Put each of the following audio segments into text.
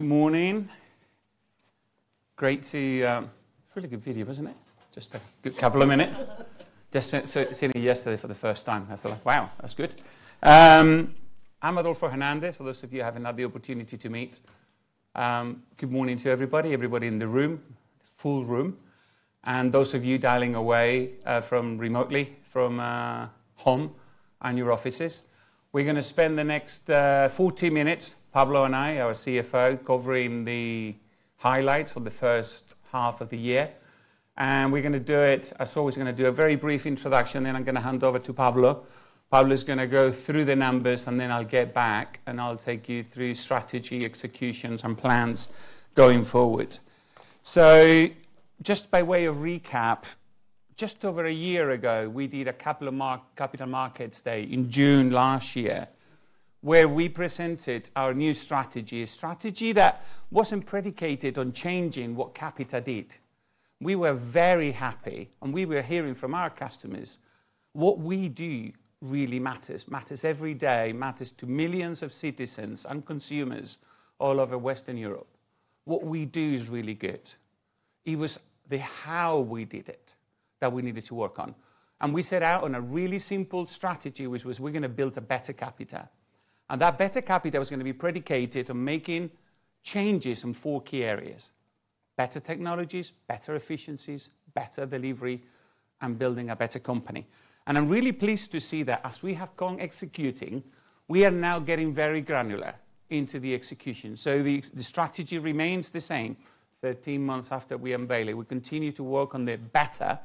Good morning. Great to, -- it's a really good video, isn't it? -- Just a good couple of minutes. Just seeing it yesterday for the first time. I thought, wow, that's good. I'm Adolfo Hernandez. For those of you who haven't had the opportunity to meet, good morning to everybody, everybody in the room, -- full room, and those of you dialing away, from remotely, from home and your offices. We're going to spend the next 40 minutes, Pablo and I, our CFO, covering the highlights of the first half of the year. We're going to do it, as always, we're going to do a very brief introduction. Then I'm going to hand over to Pablo. Pablo is going to go through the numbers, and then I'll get back, and I'll take you through strategy, executions, and plans going forward. Just by way of recap, just over a year ago, we did a Capital Markets Day in June last year, where we presented our new strategy, a strategy that wasn't predicated on changing what Capita did. We were very happy, and we were hearing from our customers what we do really matters, matters every day, matters to millions of citizens and consumers all over Western Europe. What we do is really good. It was the how we did it that we needed to work on. We set out on a really simple strategy, which was we're going to build a better Capita. That better Capita was going to be predicated on making changes in four key areas: better technologies, better efficiencies, better delivery, and building a better company. I'm really pleased to see that as we have gone executing, we are now getting very granular into the execution. The strategy remains the same. Thirteen months after we unveil it, we continue to work on the better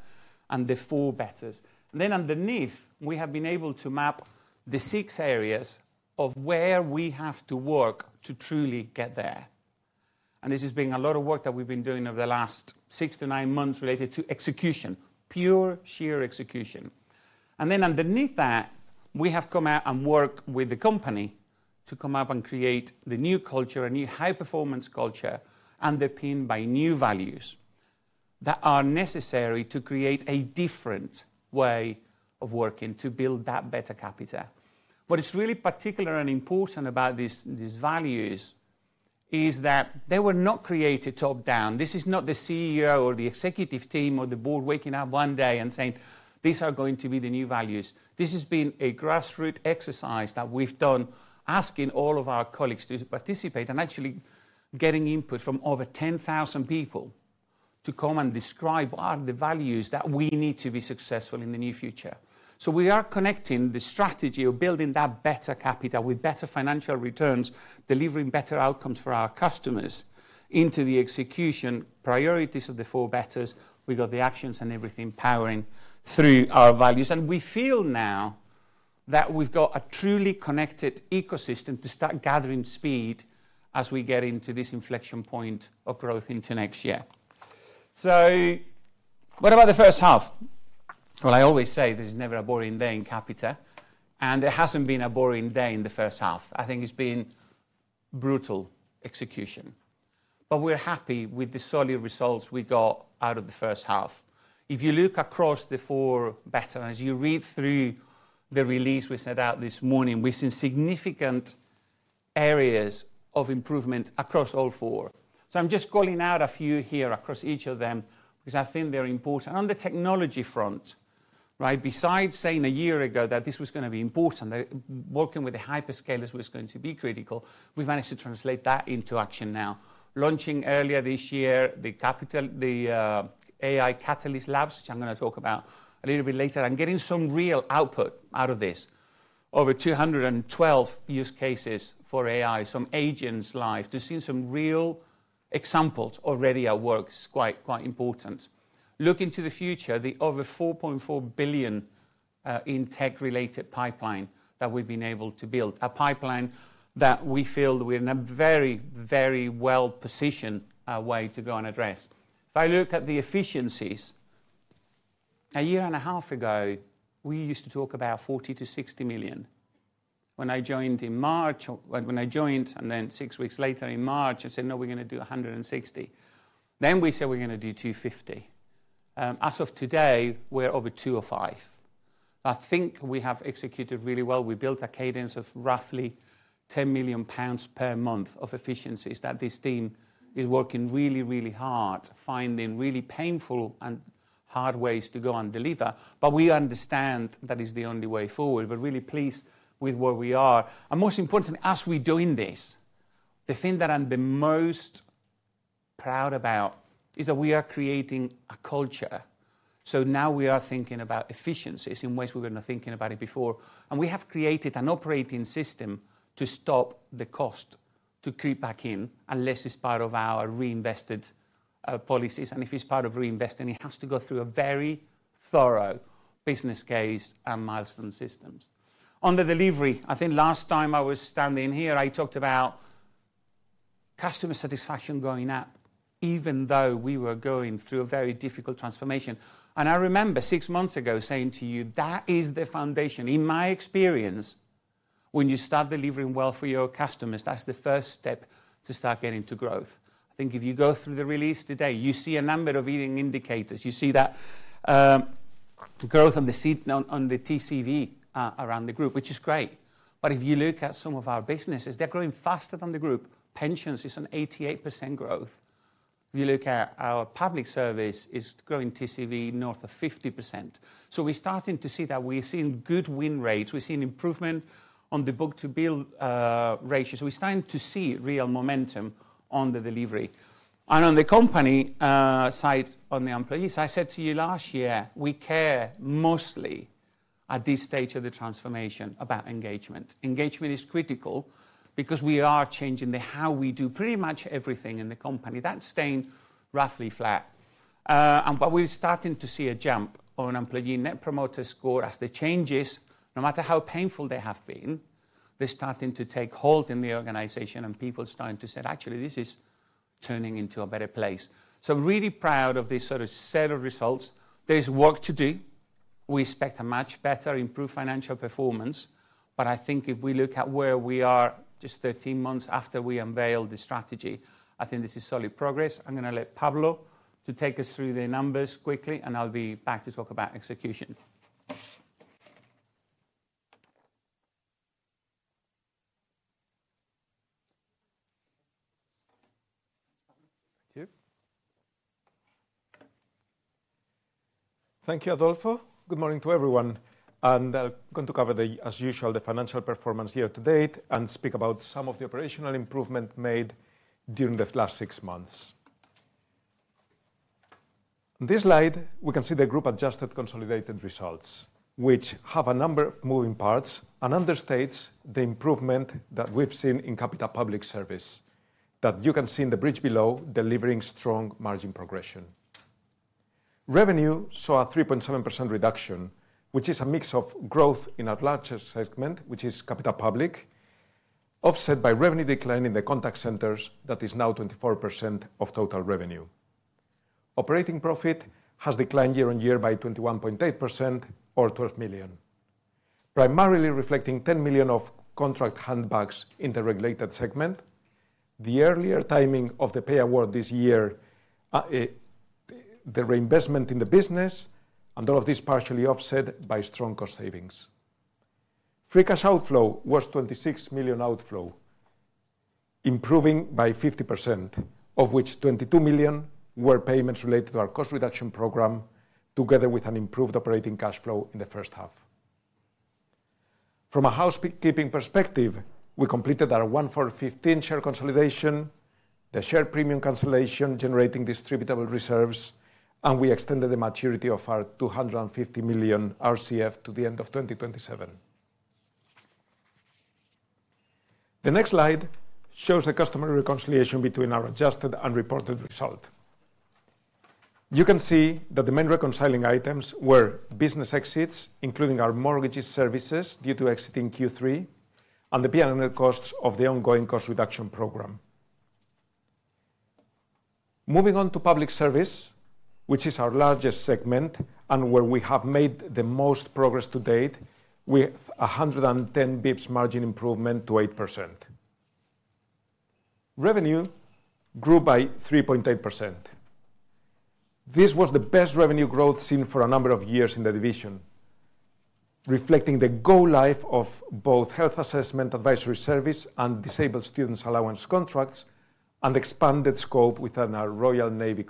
and the four betters. Underneath, we have been able to map the six areas of where we have to work to truly get there. This has been a lot of work that we've been doing over the last six to nine months related to execution, pure sheer execution. Underneath that, we have come out and worked with the company to come up and create the new culture, a new high-performance culture, underpinned by new values that are necessary to create a different way of working to build that better Capita. What is really particular and important about these values is that they were not created top-down. This is not the CEO or the Executive Team or the Board waking up one day and saying, "These are going to be the new values." This has been a grassroots exercise that we've done, asking all of our colleagues to participate and actually getting input from over 10,000 people to come and describe what are the values that we need to be successful in the near future. We are connecting the strategy of building that better Capita with better financial returns, delivering better outcomes for our customers into the execution priorities of the four betters. We've got the actions and everything powering through our values. We feel now that we've got a truly connected ecosystem to start gathering speed as we get into this inflection point of growth into next year. What about the first half? I always say there's never a boring day in Capita, and there hasn't been a boring day in the first half. I think it's been brutal execution. We're happy with the solid results we got out of the first half. If you look across the four betters, as you read through the release we sent out this morning, we've seen significant areas of improvement across all four. I'm just calling out a few here across each of them because I think they're important. On the technology front, besides saying a year ago that this was going to be important, that working with the hyperscalers was going to be critical, we've managed to translate that into action now. Launching earlier this year, the capital, -- the AI Catalyst Labs, which I'm going to talk about a little bit later, and getting some real output out of this. Over 212 use cases for AI, some agents live, to see some real examples already at work is quite, quite important. Looking to the future, the over 4.4 billion in tech-related pipeline that we've been able to build, a pipeline that we feel we're in a very, very well-positioned way to go and address. If I look at the efficiencies, a year and a half ago, we used to talk about 40 million to 60 million. When I joined in March, -- and then six weeks later in March, I said, "No, we're going to do 160 million." Then we said, "We're going to do 250 million." As of today, we're over 205 million. I think we have executed really well. We built a cadence of roughly EUR 10 million per month of efficiencies that this team is working really, really hard, finding really painful and hard ways to go and deliver. We understand that is the only way forward. We're really pleased with where we are. Most importantly, as we're doing this, the thing that I'm the most proud about is that we are creating a culture. Now we are thinking about efficiencies in ways we were not thinking about before. We have created an operating system to stop the cost to creep back in unless it's part of our reinvested policies. If it's part of reinvesting, it has to go through a very thorough business case and milestone systems. On the delivery, I think last time I was standing here, I talked about customer satisfaction going up, even though we were going through a very difficult transformation. I remember six months ago saying to you, that is the foundation. In my experience, when you start delivering well for your customers, that's the first step to start getting to growth. If you go through the release today, you see a number of leading indicators. You see that growth on the TCV around the group, which is great. If you look at some of our businesses, they're growing faster than the group. Pensions is an 88% growth. If you look at our public service, it's growing TCV north of 50%. We're starting to see that we're seeing good win rates. We're seeing improvement on the book-to-bill ratio. We're starting to see real momentum on the delivery. On the company side, on the employees, I said to you last year, we care mostly at this stage of the transformation about engagement. Engagement is critical because we are changing the how we do pretty much everything in the company. That's staying roughly flat. We're starting to see a jump on employee Net Promoter Score as the changes, no matter how painful they have been, they're starting to take hold in the organization and people starting to say, actually, this is turning into a better place. I'm really proud of this sort of set of results. There is work to do. We expect a much better improved financial performance. If we look at where we are just 13 months after we unveiled the strategy, I think this is solid progress. I'm going to let Pablo take us through the numbers quickly, and I'll be back to talk about execution. Thank you, Adolfo. Good morning to everyone. I'm going to cover, as usual, the financial performance year-to-date and speak about some of the operational improvements made during the last six months. In this slide, we can see the group-adjusted consolidated results, which have a number of moving parts and understates the improvement that we've seen in Capita Public Service that you can see in the bridge below, delivering strong margin progression. Revenue saw a 3.7% reduction, which is a mix of growth in our largest segment, which is Capita Public, offset by revenue decline in the contact centers that is now 24% of total revenue. Operating profit has declined year on year by 21.8% or 12 million, primarily reflecting 10 million of contract headwinds in the regulated segment, the earlier timing of the pay award this year, the reinvestment in the business, and all of this partially offset by strong cost savings. Free cash outflow was 26 million outflow, improving by 50%, of which 22 million were payments related to our cost reduction program, together with an improved operating cash flow in the first half. From a housekeeping perspective, we completed our 1-for-15 share consolidation, the share premium cancellation generating distributable reserves, and we extended the maturity of our 250 million RCF to the end of 2027. The next slide shows the customer reconciliation between our adjusted and reported result. You can see that the main reconciling items were business exits, including our mortgage services due to exiting Q3, and the P&L costs of the ongoing cost reduction program. Moving on to Public Service, which is our largest segment and where we have made the most progress to date with 110 basis points margin improvement to 8%. Revenue grew by 3.8%. This was the best revenue growth seen for a number of years in the division, reflecting the go-live of both Health Assessment Advisory Service and Disabled Students Allowance contracts and expanded scope within our Royal Navy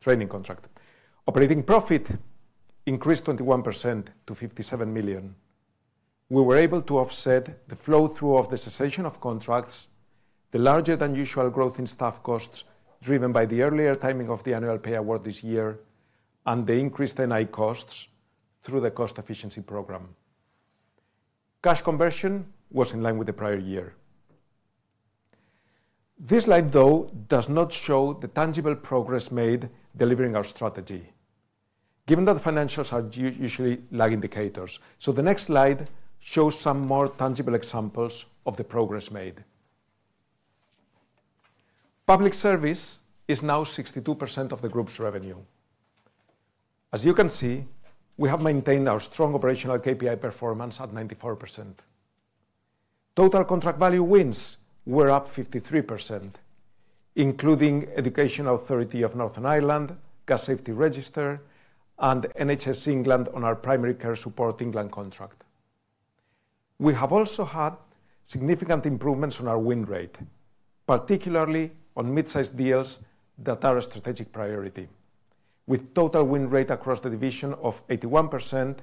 training contract. Operating profit increased 21% to 57 million. We were able to offset the flow-through of the cessation of contracts, the larger than usual growth in staff costs driven by the earlier timing of the annual pay award this year, and the increased NI costs through the cost efficiency program. Cash conversion was in line with the prior year. This slide, though, does not show the tangible progress made delivering our strategy, given that financials are usually lag indicators. The next slide shows some more tangible examples of the progress made. Public Service is now 62% of the group's revenue. As you can see, we have maintained our strong operational KPI performance at 94%. Total contract value wins were up 53%, including Educational Authority of Northern Ireland, Gas Safety Register, and NHS England’s Primary Care Support England contract. We have also had significant improvements on our win rate, particularly on mid-sized deals that are a strategic priority, with total win rate across the division of 81%,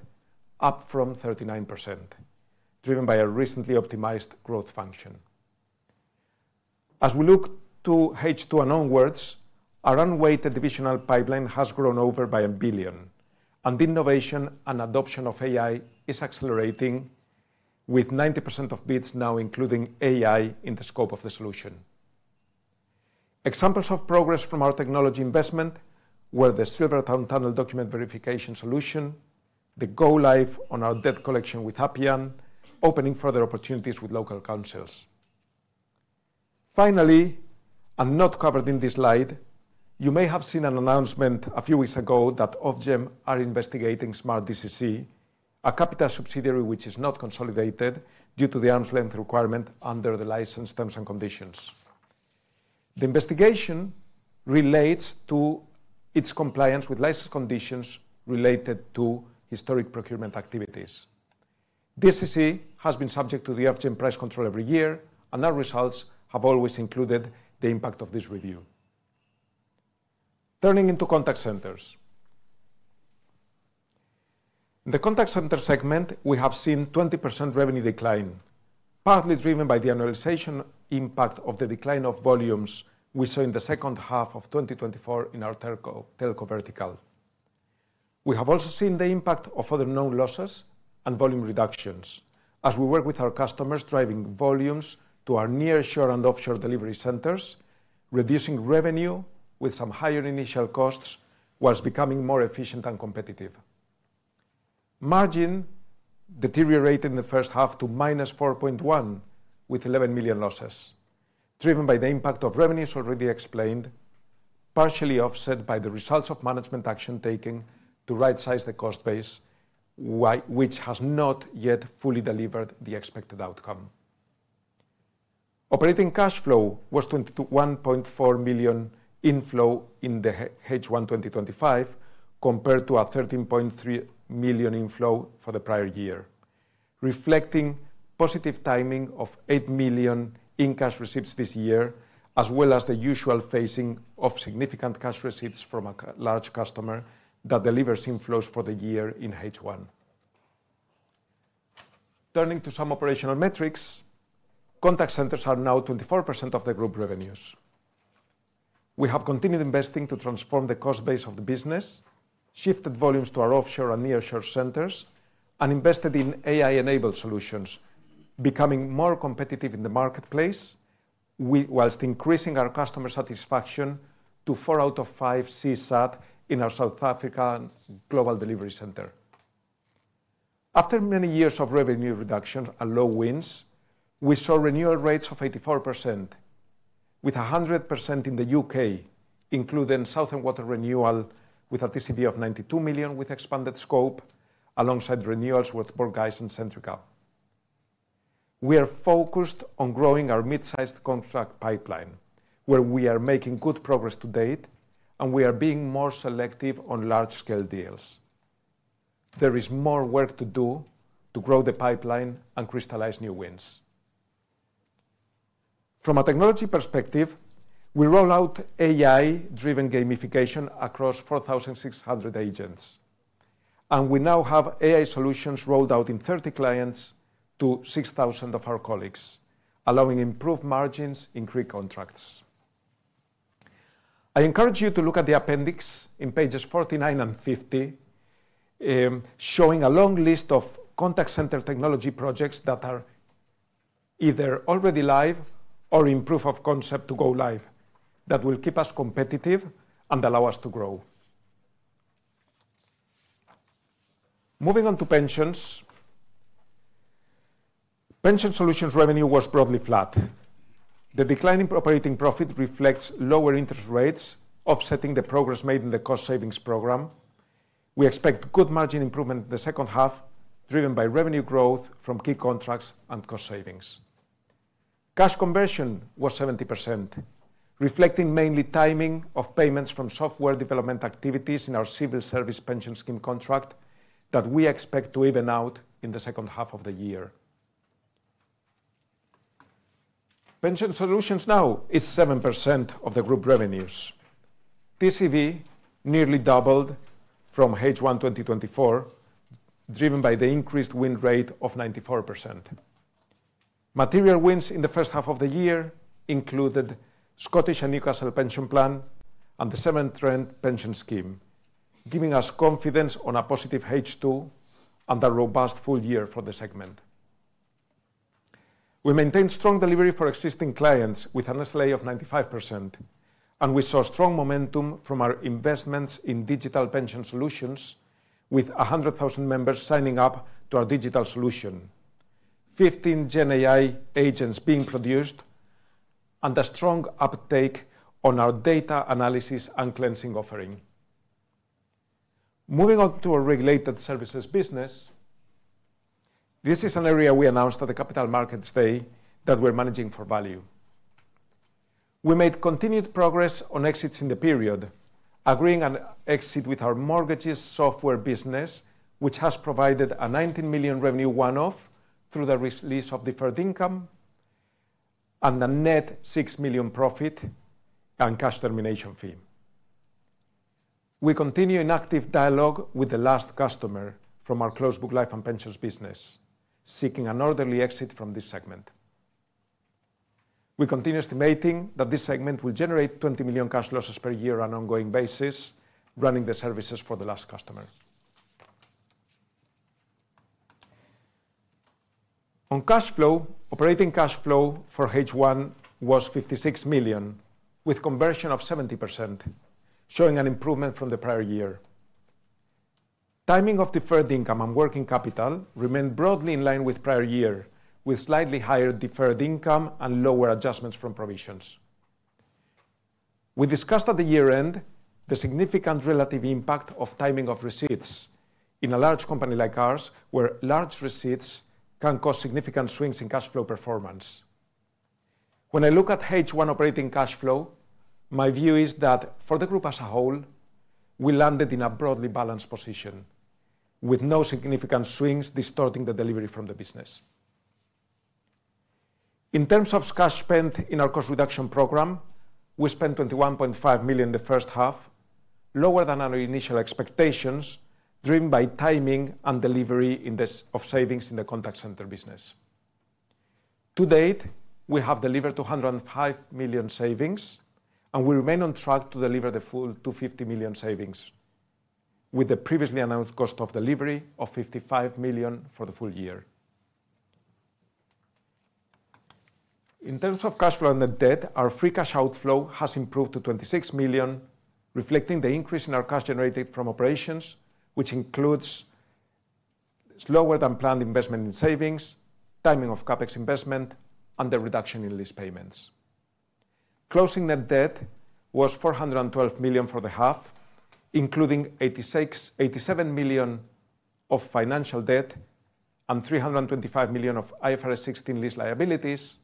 up from 39%, driven by a recently optimized growth function. As we look to H2 and onwards, our unweighted divisional pipeline has grown over by 1 billion, and innovation and adoption of AI is accelerating, with 90% of bids now including AI in the scope of the solution. Examples of progress from our technology investment were the Silvertown Tunnel document verification solution, the go-live on our debt collection with Appian, opening further opportunities with local councils. Finally, and not covered in this slide, you may have seen an announcement a few weeks ago that Ofgem are investigating Smart DCC, a Capita subsidiary which is not consolidated due to the arm’s-length requirement under the license terms and conditions. The investigation relates to its compliance with license conditions related to historic procurement activities. DCC has been subject to the Ofgem price control every year, and our results have always included the impact of this review. Turning into Contact Centers. In the Contact Center segment, we have seen 20% revenue decline, partly driven by the annualization impact of the decline of volumes we saw in the second half of 2024 in our telco vertical. We have also seen the impact of other known losses and volume reductions, as we work with our customers driving volumes to our nearshore and offshore delivery centers, reducing revenue with some higher initial costs whilst becoming more efficient and competitive. Margin deteriorated in the first half to -4.1% with 11 million losses, driven by the impact of revenues already explained, partially offset by the results of management action taken to right-size the cost base, which has not yet fully delivered the expected outcome. Operating cash flow was 21.4 million inflow in H1 2025 compared to a 13.3 million inflow for the prior year, reflecting positive timing of 8 million in cash receipts this year, as well as the usual phasing of significant cash receipts from a large customer that delivers inflows for the year in H1. Turning to some operational metrics, contact centers are now 24% of the group revenues. We have continued investing to transform the cost base of the business, shifted volumes to our offshore and nearshore centers, and invested in AI-enabled solutions, becoming more competitive in the marketplace, whilst increasing our customer satisfaction to four out of five CSAT in our South Africa global delivery center. After many years of revenue reductions and low wins, we saw renewal rates of 84%, with 100% in the U.K., including Southern Water renewal with a TCV of 92 million with expanded scope, alongside renewals with Borghese and Centrica. We are focused on growing our mid-sized contract pipeline, where we are making good progress to date, and we are being more selective on large-scale deals. There is more work to do to grow the pipeline and crystallize new wins. From a technology perspective, we roll out AI-driven gamification across 4,600 agents, and we now have AI solutions rolled out in 30 clients to 6,000 of our colleagues, allowing improved margins in free contracts. I encourage you to look at the appendix in pages 49 and 50, showing a long list of contact center technology projects that are either already live or in proof of concept to go live that will keep us competitive and allow us to grow. Moving on to pensions, Pension Solutions revenue was broadly flat. The declining operating profit reflects lower interest rates, offsetting the progress made in the cost savings program. We expect good margin improvement in the second half, driven by revenue growth from key contracts and cost savings. Cash conversion was 70%, reflecting mainly timing of payments from software development activities in our Civil Service pension scheme contract that we expect to even out in the second half of the year. Pension Solutions now is 7% of the group revenues. TCV nearly doubled from H1 2024, driven by the increased win rate of 94%. Material wins in the first half of the year included Scottish and Newcastle pension plan and the Severn Trent pension scheme, giving us confidence on a positive H2 and a robust full year for the segment. We maintained strong delivery for existing clients with an SLA of 95%, and we saw strong momentum from our investments in digital pension solutions, with 100,000 members signing up to our digital solution, 15 GenAI agents being produced, and a strong uptake on our data analysis and cleansing offering. Moving on to our regulated services business, this is an area we announced at the Capital Markets Day that we're managing for value. We made continued progress on exits in the period, agreeing an exit with our mortgages software business, which has provided a 19 million revenue one-off through the release of deferred income and a net 6 million profit and cash termination fee. We continue an active dialogue with the last customer from our closed book life and pensions business, seeking an orderly exit from this segment. We continue estimating that this segment will generate 20 million cash losses per year on an ongoing basis, running the services for the last customer. On cash flow, operating cash flow for H1 was 56 million, with conversion of 70%, showing an improvement from the prior year. Timing of deferred income and working capital remained broadly in line with prior year, with slightly higher deferred income and lower adjustments from provisions. We discussed at the year-end the significant relative impact of timing of receipts in a large company like ours, where large receipts can cause significant swings in cash flow performance. When I look at H1 operating cash flow, my view is that for the group as a whole, we landed in a broadly balanced position, with no significant swings distorting the delivery from the business. In terms of cash spent in our cost reduction program, we spent 21.5 million in the first half, lower than our initial expectations, driven by timing and delivery of savings in the contact center business. To date, we have delivered 205 million savings, and we remain on track to deliver the full 250 million savings, with the previously announced cost of delivery of 55 million for the full year. In terms of cash flow and debt, our free cash outflow has improved to 26 million, reflecting the increase in our cash generated from operations, which includes slower than planned investment in savings, timing of CapEx investment, and the reduction in lease payments. Closing net debt was 412 million for the half, including 86 million, 87 million of financial debt and 325 million of IFRS 16 lease liabilities,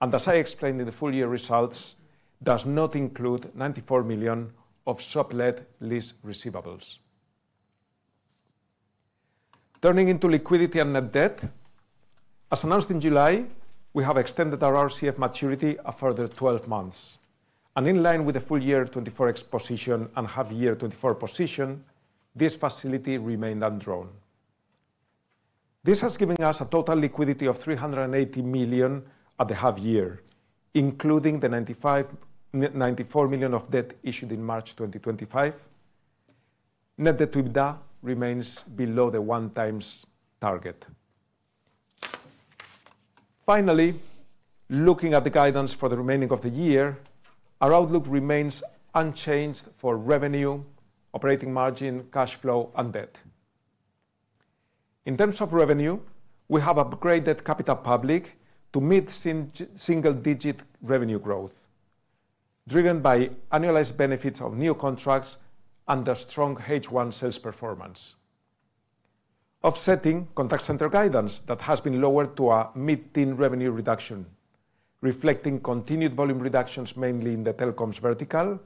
and as I explained in the full year results, does not include 94 million of shop-led lease receivables. Turning into liquidity and net debt, as announced in July, we have extended our RCF maturity a further 12 months, and in line with the full year 2024 position and half-year 2024 position, this facility remained undrawn. This has given us a total liquidity of 380 million at the half-year, including the 94 million of debt issued in March 2025. Net debt to EBITDA remains below the 1x target. Finally, looking at the guidance for the remaining of the year, our outlook remains unchanged for revenue, operating margin, cash flow, and debt. In terms of revenue, we have upgraded Capita Public to mid-single-digit revenue growth, driven by annualized benefits on new contracts and a strong H1 sales performance, offsetting contact center guidance that has been lowered to a mid-teens revenue reduction, reflecting continued volume reductions mainly in the telecoms vertical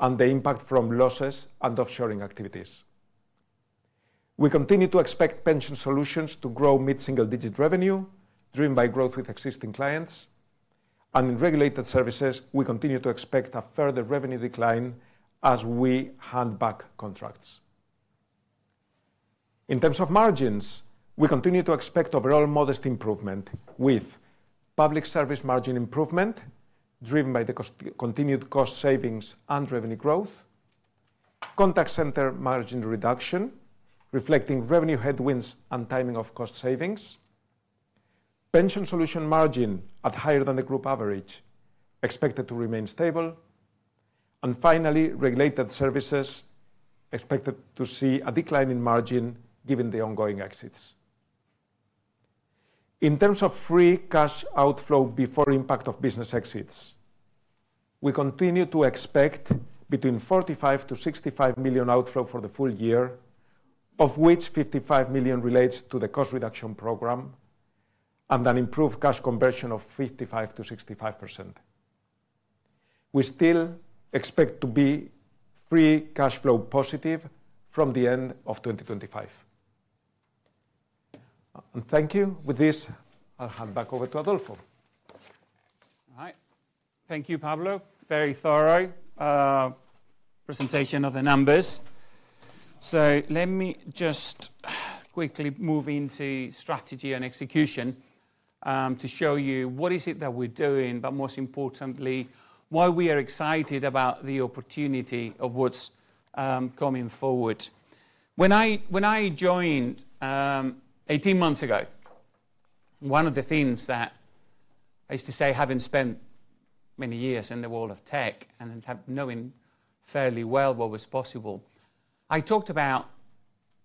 and the impact from losses and offshoring activities. We continue to expect Pension Solutions to grow mid-single-digit revenue, driven by growth with existing clients, and in regulated services, we continue to expect a further revenue decline as we hand back contracts. In terms of margins, we continue to expect overall modest improvement with public service margin improvement, driven by the continued cost savings and revenue growth, contact center margin reduction, reflecting revenue headwinds and timing of cost savings, Pension Solutions margin at higher than the group average, expected to remain stable, and finally, regulated services expected to see a decline in margin given the ongoing exits. In terms of free cash outflow before impact of business exits, we continue to expect between 45 million to 65 million outflow for the full year, of which 55 million relates to the cost reduction program and an improved cash conversion of 55% to 65%. We still expect to be free cash flow positive from the end of 2025. Thank you. With this, I'll hand back over to Adolfo. All right. Thank you, Pablo. Very thorough presentation of the numbers. Let me just quickly move into strategy and execution to show you what it is that we're doing, but most importantly, why we are excited about the opportunity of what's coming forward. When I joined 18 months ago, one of the things that I used to say, having spent many years in the world of tech and knowing fairly well what was possible, I talked about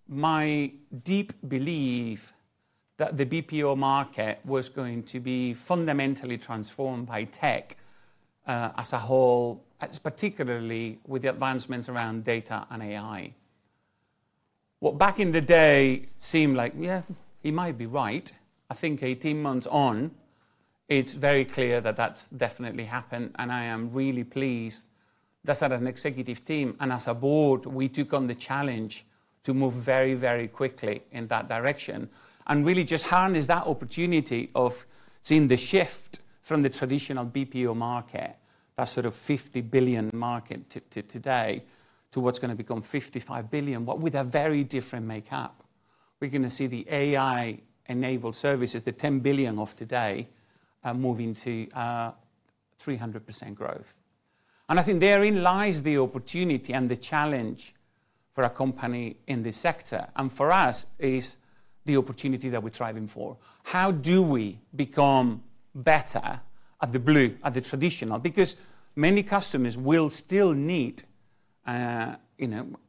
my deep belief that the BPO market was going to be fundamentally transformed by tech as a whole, particularly with the advancements around data and AI. What back in the day seemed like, yeah, he might be right, I think 18 months on, it's very clear that that's definitely happened, and I am really pleased that as an executive team and as a board, we took on the challenge to move very, very quickly in that direction and really just harness that opportunity of seeing the shift from the traditional BPO market, that sort of 50 billion market today, to what's going to become 55 billion, but with a very different makeup. We're going to see the AI-enabled services, the 10 billion of today, moving to 300% growth. I think therein lies the opportunity and the challenge for a company in this sector, and for us is the opportunity that we're striving for. How do we become better at the blue, at the traditional? Because many customers will still need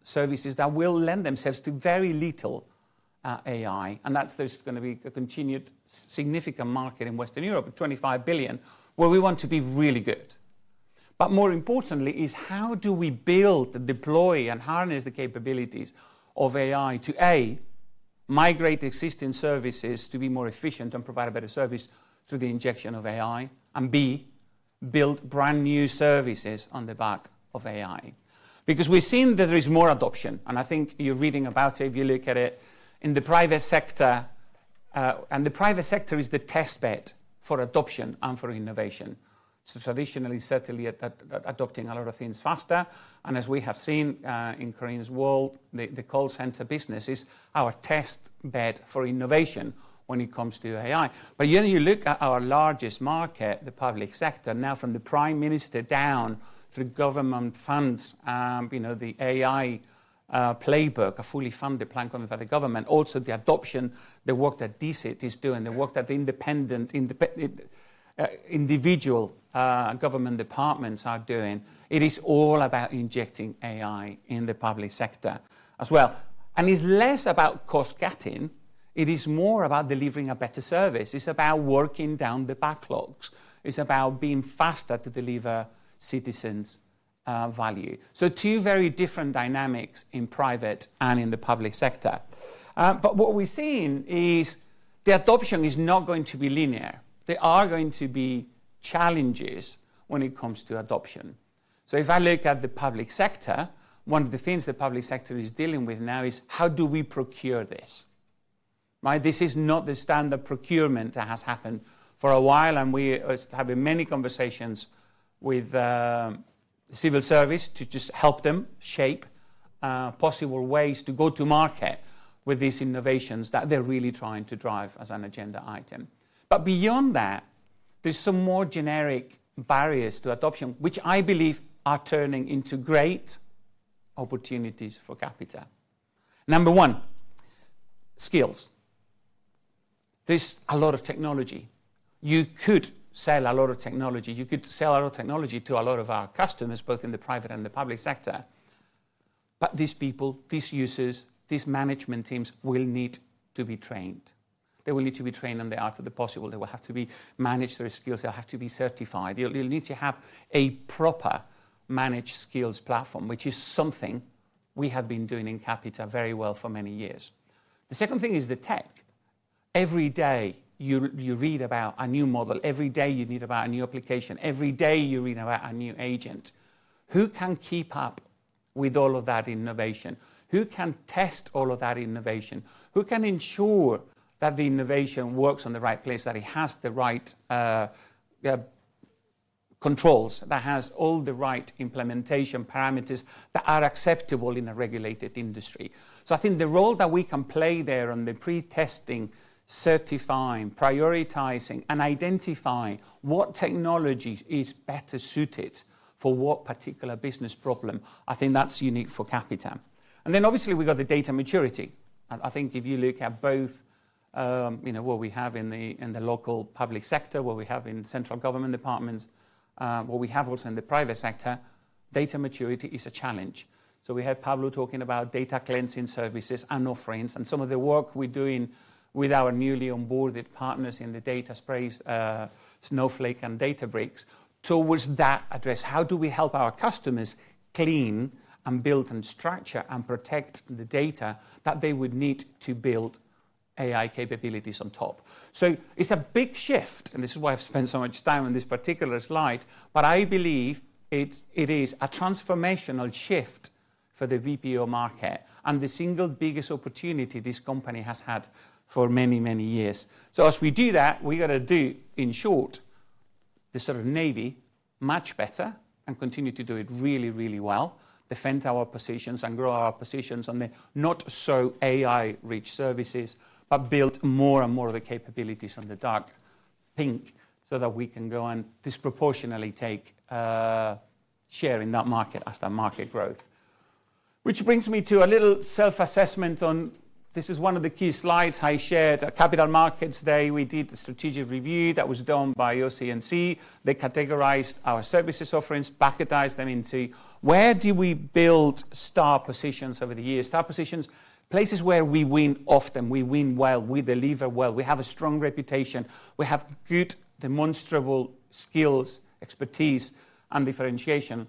services that will lend themselves to very little AI, and there's going to be a continued significant market in Western Europe, 25 billion, where we want to be really good. More importantly, how do we build, deploy, and harness the capabilities of AI to, A, migrate existing services to be more efficient and provide a better service through the injection of AI, and B, build brand new services on the back of AI? We're seeing that there is more adoption, and I think you're reading about it if you look at it in the private sector, and the private sector is the test bed for adoption and for innovation. Traditionally, certainly adopting a lot of things faster, and as we have seen in Corinne's world, the contact centers business is our test bed for innovation when it comes to AI. Yet you look at our largest market, the public sector, now from the Prime Minister down through government funds, the AI playbook, a fully funded plan coming by the government, also the adoption, the work that DCIT is doing, the work that the independent individual government departments are doing. It is all about injecting AI in the public sector as well. It's less about cost cutting. It is more about delivering a better service. It's about working down the backlogs. It's about being faster to deliver citizens' value. Two very different dynamics in private and in the public sector. What we're seeing is the adoption is not going to be linear. There are going to be challenges when it comes to adoption. If I look at the public sector, one of the things the public sector is dealing with now is how do we procure this? This is not the standard procurement that has happened for a while, and we are having many conversations with the Civil Service to just help them shape possible ways to go to market with these innovations that they're really trying to drive as an agenda item. Beyond that, there's some more generic barriers to adoption, which I believe are turning into great opportunities for Capita. Number one, skills. There's a lot of technology. You could sell a lot of technology. You could sell a lot of technology to a lot of our customers, both in the private and the public sector. These people, these users, these management teams will need to be trained. They will need to be trained on the art of the possible. They will have to be managed through skills. They'll have to be certified. You'll need to have a proper managed skills platform, which is something we have been doing in Capita very well for many years. The second thing is the tech. Every day you read about a new model. Every day you read about a new application. Every day you read about a new AI agent. Who can keep up with all of that innovation? Who can test all of that innovation? Who can ensure that the innovation works in the right place, that it has the right controls, that has all the right implementation parameters that are acceptable in a regulated industry? I think the role that we can play there on the pre-testing, certifying, prioritizing, and identifying what technology is better suited for what particular business problem, I think that's unique for Capita. Obviously we've got the data maturity. I think if you look at both, you know, what we have in the local public sector, what we have in central government departments, what we have also in the private sector, data maturity is a challenge. We had Pablo talking about data cleansing services and offerings, and some of the work we're doing with our newly onboarded partners in the data space, Snowflake and Databricks, towards that address. How do we help our customers clean and build and structure and protect the data that they would need to build AI capabilities on top? It's a big shift, and this is why I've spent so much time on this particular slide, but I believe it is a transformational shift for the BPO market and the single biggest opportunity this company has had for many, many years. As we do that, we've got to do, in short, the sort of Navy much better and continue to do it really, really well, defend our positions and grow our positions on the not-so-AI-rich services, but build more and more of the capabilities on the dark pink so that we can go and disproportionately take a share in that market as that market grows. Which brings me to a little self-assessment on this. This is one of the key slides I shared. At Capital Markets Day, we did the strategic review that was done by OC&C. They categorized our services offerings, bucketized them into where do we build star positions over the years. Star positions, places where we win often, we win well, we deliver well, we have a strong reputation, we have good demonstrable skills, expertise, and differentiation,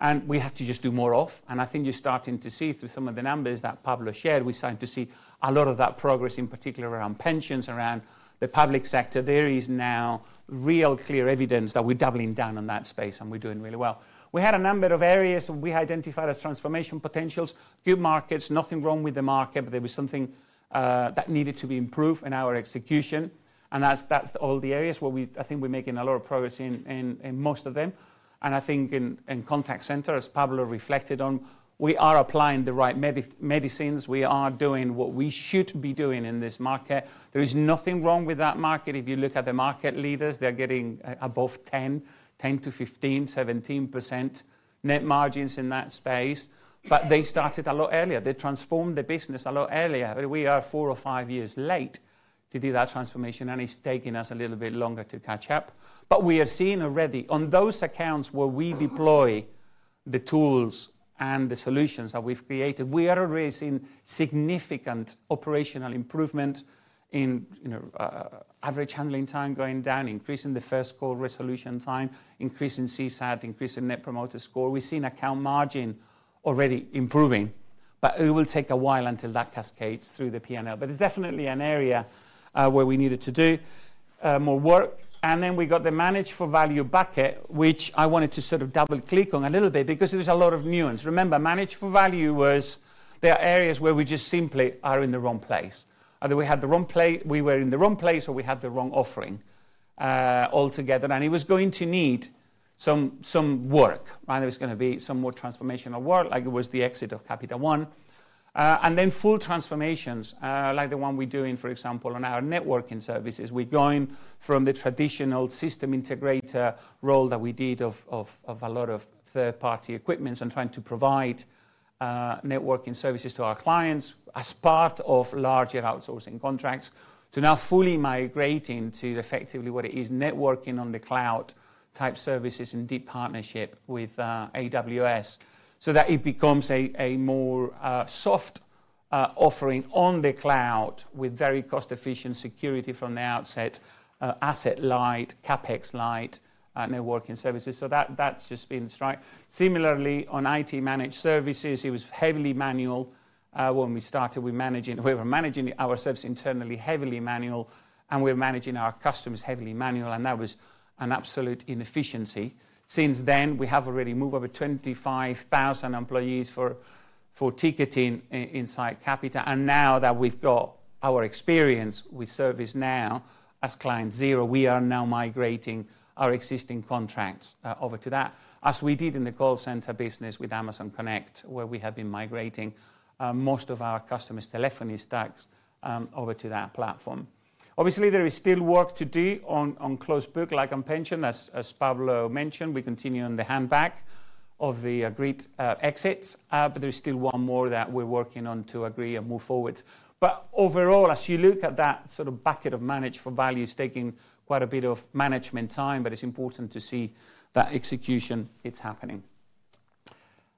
and we have to just do more of. I think you're starting to see through some of the numbers that Pablo shared, we're starting to see a lot of that progress, in particular around pensions, around the public sector. There is now real clear evidence that we're doubling down on that space and we're doing really well. We had a number of areas we identified as transformation potentials. Good markets, nothing wrong with the market, but there was something that needed to be improved in our execution. That's all the areas where I think we're making a lot of progress in most of them. I think in contact centers, Pablo reflected on, we are applying the right medicines. We are doing what we should be doing in this market. There is nothing wrong with that market. If you look at the market leaders, they're getting above 10%, 10% to 15%, 17% net margins in that space. They started a lot earlier. They transformed the business a lot earlier. We are four or five years late to do that transformation, and it's taking us a little bit longer to catch up. We are seeing already on those accounts where we deploy the tools and the solutions that we've created, we are already seeing significant operational improvement in average handling time going down, increasing the first call resolution time, increasing CSAT, increasing Net Promoter Score. We're seeing account margin already improving, and it will take a while until that cascades through the P&L. It's definitely an area where we needed to do more work. We got the manage for value bucket, which I wanted to sort of double-click on a little bit because there was a lot of nuance. Remember, manage for value was there are areas where we just simply are in the wrong place. Either we had the wrong place, we were in the wrong place, or we had the wrong offering altogether. It was going to need some work. There was going to be some more transformational work, like it was the exit of Capita One. Full transformations, like the one we're doing, for example, on our networking services. We're going from the traditional system integrator role that we did of a lot of third-party equipment and trying to provide networking services to our clients as part of larger outsourcing contracts to now fully migrate into effectively what it is, networking on the cloud type services in deep partnership with AWS so that it becomes a more soft offering on the cloud with very cost-efficient security from the outset, asset light, CapEx light, networking services. That's just been a strike. Similarly, on IT managed services, it was heavily manual. When we started, we were managing ourselves internally heavily manual, and we were managing our customers heavily manual. That was an absolute inefficiency. Since then, we have already moved over 25,000 employees for ticketing inside Capita. Now that we've got our experience with ServiceNow as client zero, we are now migrating our existing contracts over to that, as we did in the call center business with Amazon Connect, where we have been migrating most of our customers' telephony stacks over to that platform. Obviously, there is still work to do on closed book, like on pension. As Pablo mentioned, we continue on the handback of the great exits, but there's still one more that we're working on to agree and move forward. Overall, as you look at that sort of bucket of manage for value, it's taking quite a bit of management time, but it's important to see that execution is happening.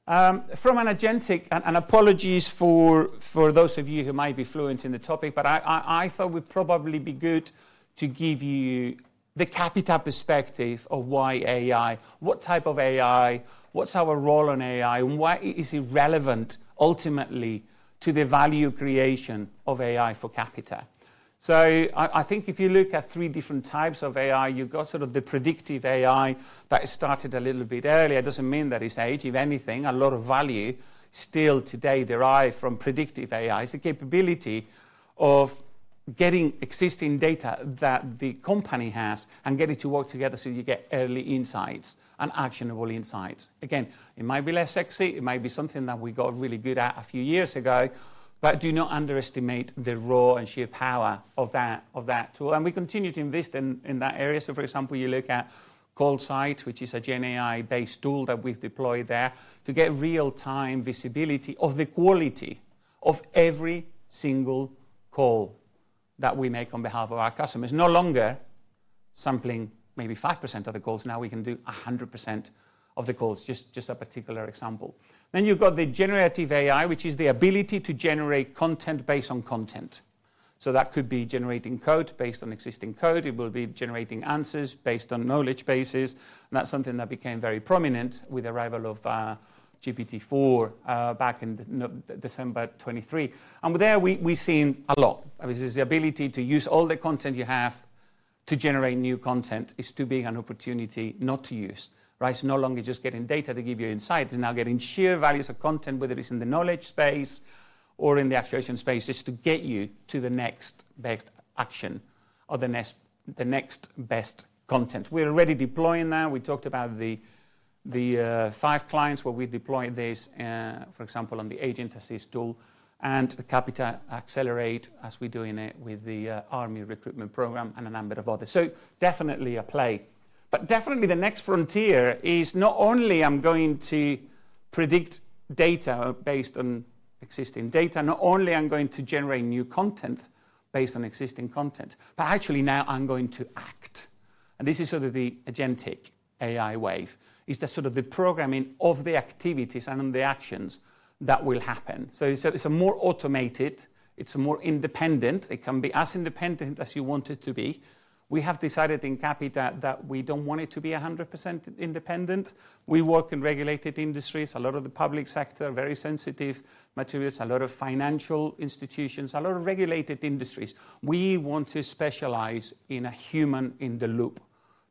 From an agentic, and apologies for those of you who might be fluent in the topic, I thought it would probably be good to give you the Capita perspective of why AI, what type of AI, what's our role in AI, and why is it relevant ultimately to the value creation of AI for Capita. I think if you look at three different types of AI, you've got sort of the predictive AI that started a little bit earlier. It doesn't mean that it's aged; if anything, a lot of value still today derives from predictive AI. It's the capability of getting existing data that the company has and getting it to work together so you get early insights and actionable insights. It might be less sexy. It might be something that we got really good at a few years ago, but do not underestimate the raw and sheer power of that tool. We continue to invest in that area. For example, you look at Call Sight, which is a GenAI-based tool that we've deployed there to get real-time visibility of the quality of every single call that we make on behalf of our customers, no longer sampling maybe 5% of the calls. Now we can do 100% of the calls, just a particular example. You've got the generative AI, which is the ability to generate content based on content. That could be generating code based on existing code. It will be generating answers based on knowledge bases. That's something that became very prominent with the arrival of GPT-4 back in December 2023. There we've seen a lot. It's the ability to use all the content you have to generate new content. It's too big an opportunity not to use. It's no longer just getting data to give you insights. It's now getting sheer values of content, whether it's in the knowledge space or in the actuation space, just to get you to the next best action or the next best content. We're already deploying that. We talked about the five clients where we deployed this, for example, on the Agent Assist tool and the Capita Accelerate, as we're doing it with the Army Recruitment Program and a number of others. Definitely a play. The next frontier is not only I'm going to predict data based on existing data, not only I'm going to generate new content based on existing content, but actually now I'm going to act. This is sort of the agentic AI wave. It's the sort of the programming of the activities and on the actions that will happen. It's a more automated, it's a more independent. It can be as independent as you want it to be. We have decided in Capita that we don't want it to be 100% independent. We work in regulated industries. A lot of the public sector, very sensitive materials, a lot of financial institutions, a lot of regulated industries. We want to specialize in a human-in-the-loop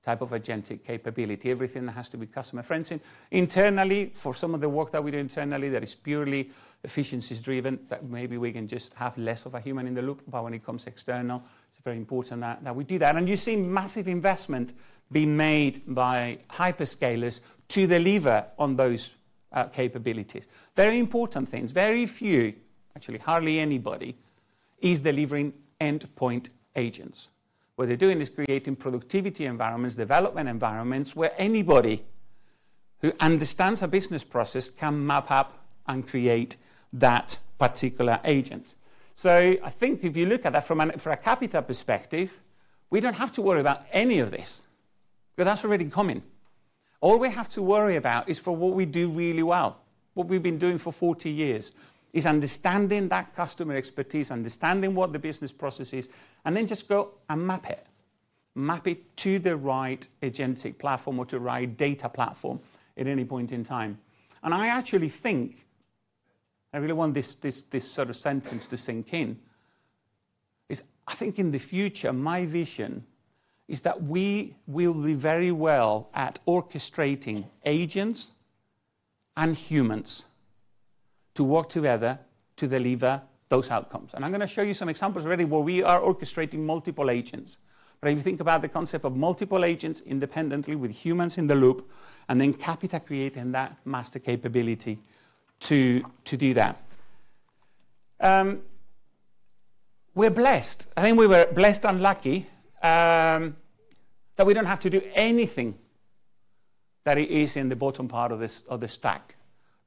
type of agentic capability. Everything that has to be customer-friendly. Internally, for some of the work that we do internally, that is purely efficiencies-driven, that maybe we can just have less of a human in the loop, but when it comes to external, it's very important that we do that. You see massive investment being made by hyperscalers to deliver on those capabilities. Very important things. Very few, actually hardly anybody, is delivering endpoint agents. What they're doing is creating productivity environments, development environments where anybody who understands a business process can map up and create that particular agent. I think if you look at that from a Capita perspective, we don't have to worry about any of this, because that's already coming. All we have to worry about is for what we do really well. What we've been doing for 40 years is understanding that customer expertise, understanding what the business process is, and then just go and map it. Map it to the right agentic platform or to the right data platform at any point in time. I actually think, I really want this sort of sentence to sink in, is I think in the future, my vision is that we will be very well at orchestrating agents and humans to work together to deliver those outcomes. I'm going to show you some examples already where we are orchestrating multiple agents. If you think about the concept of multiple agents independently with humans in the loop, and then Capita creating that master capability to do that. We're blessed. I think we were blessed and lucky that we don't have to do anything that it is in the bottom part of the stack.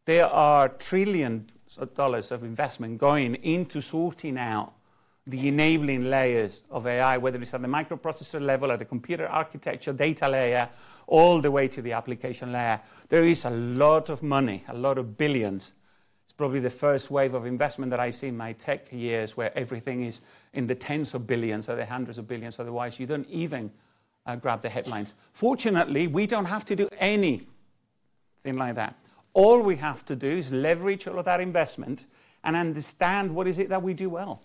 There are trillions of dollars of investment going into sorting out the enabling layers of AI, whether it's at the microprocessor level, at the computer architecture, data layer, all the way to the application layer. There is a lot of money, a lot of billions. It's probably the first wave of investment that I see in my tech years where everything is in the tens of billions or the hundreds of billions. Otherwise, you don't even grab the headlines. Fortunately, we don't have to do anything like that. All we have to do is leverage all of that investment and understand what is it that we do well.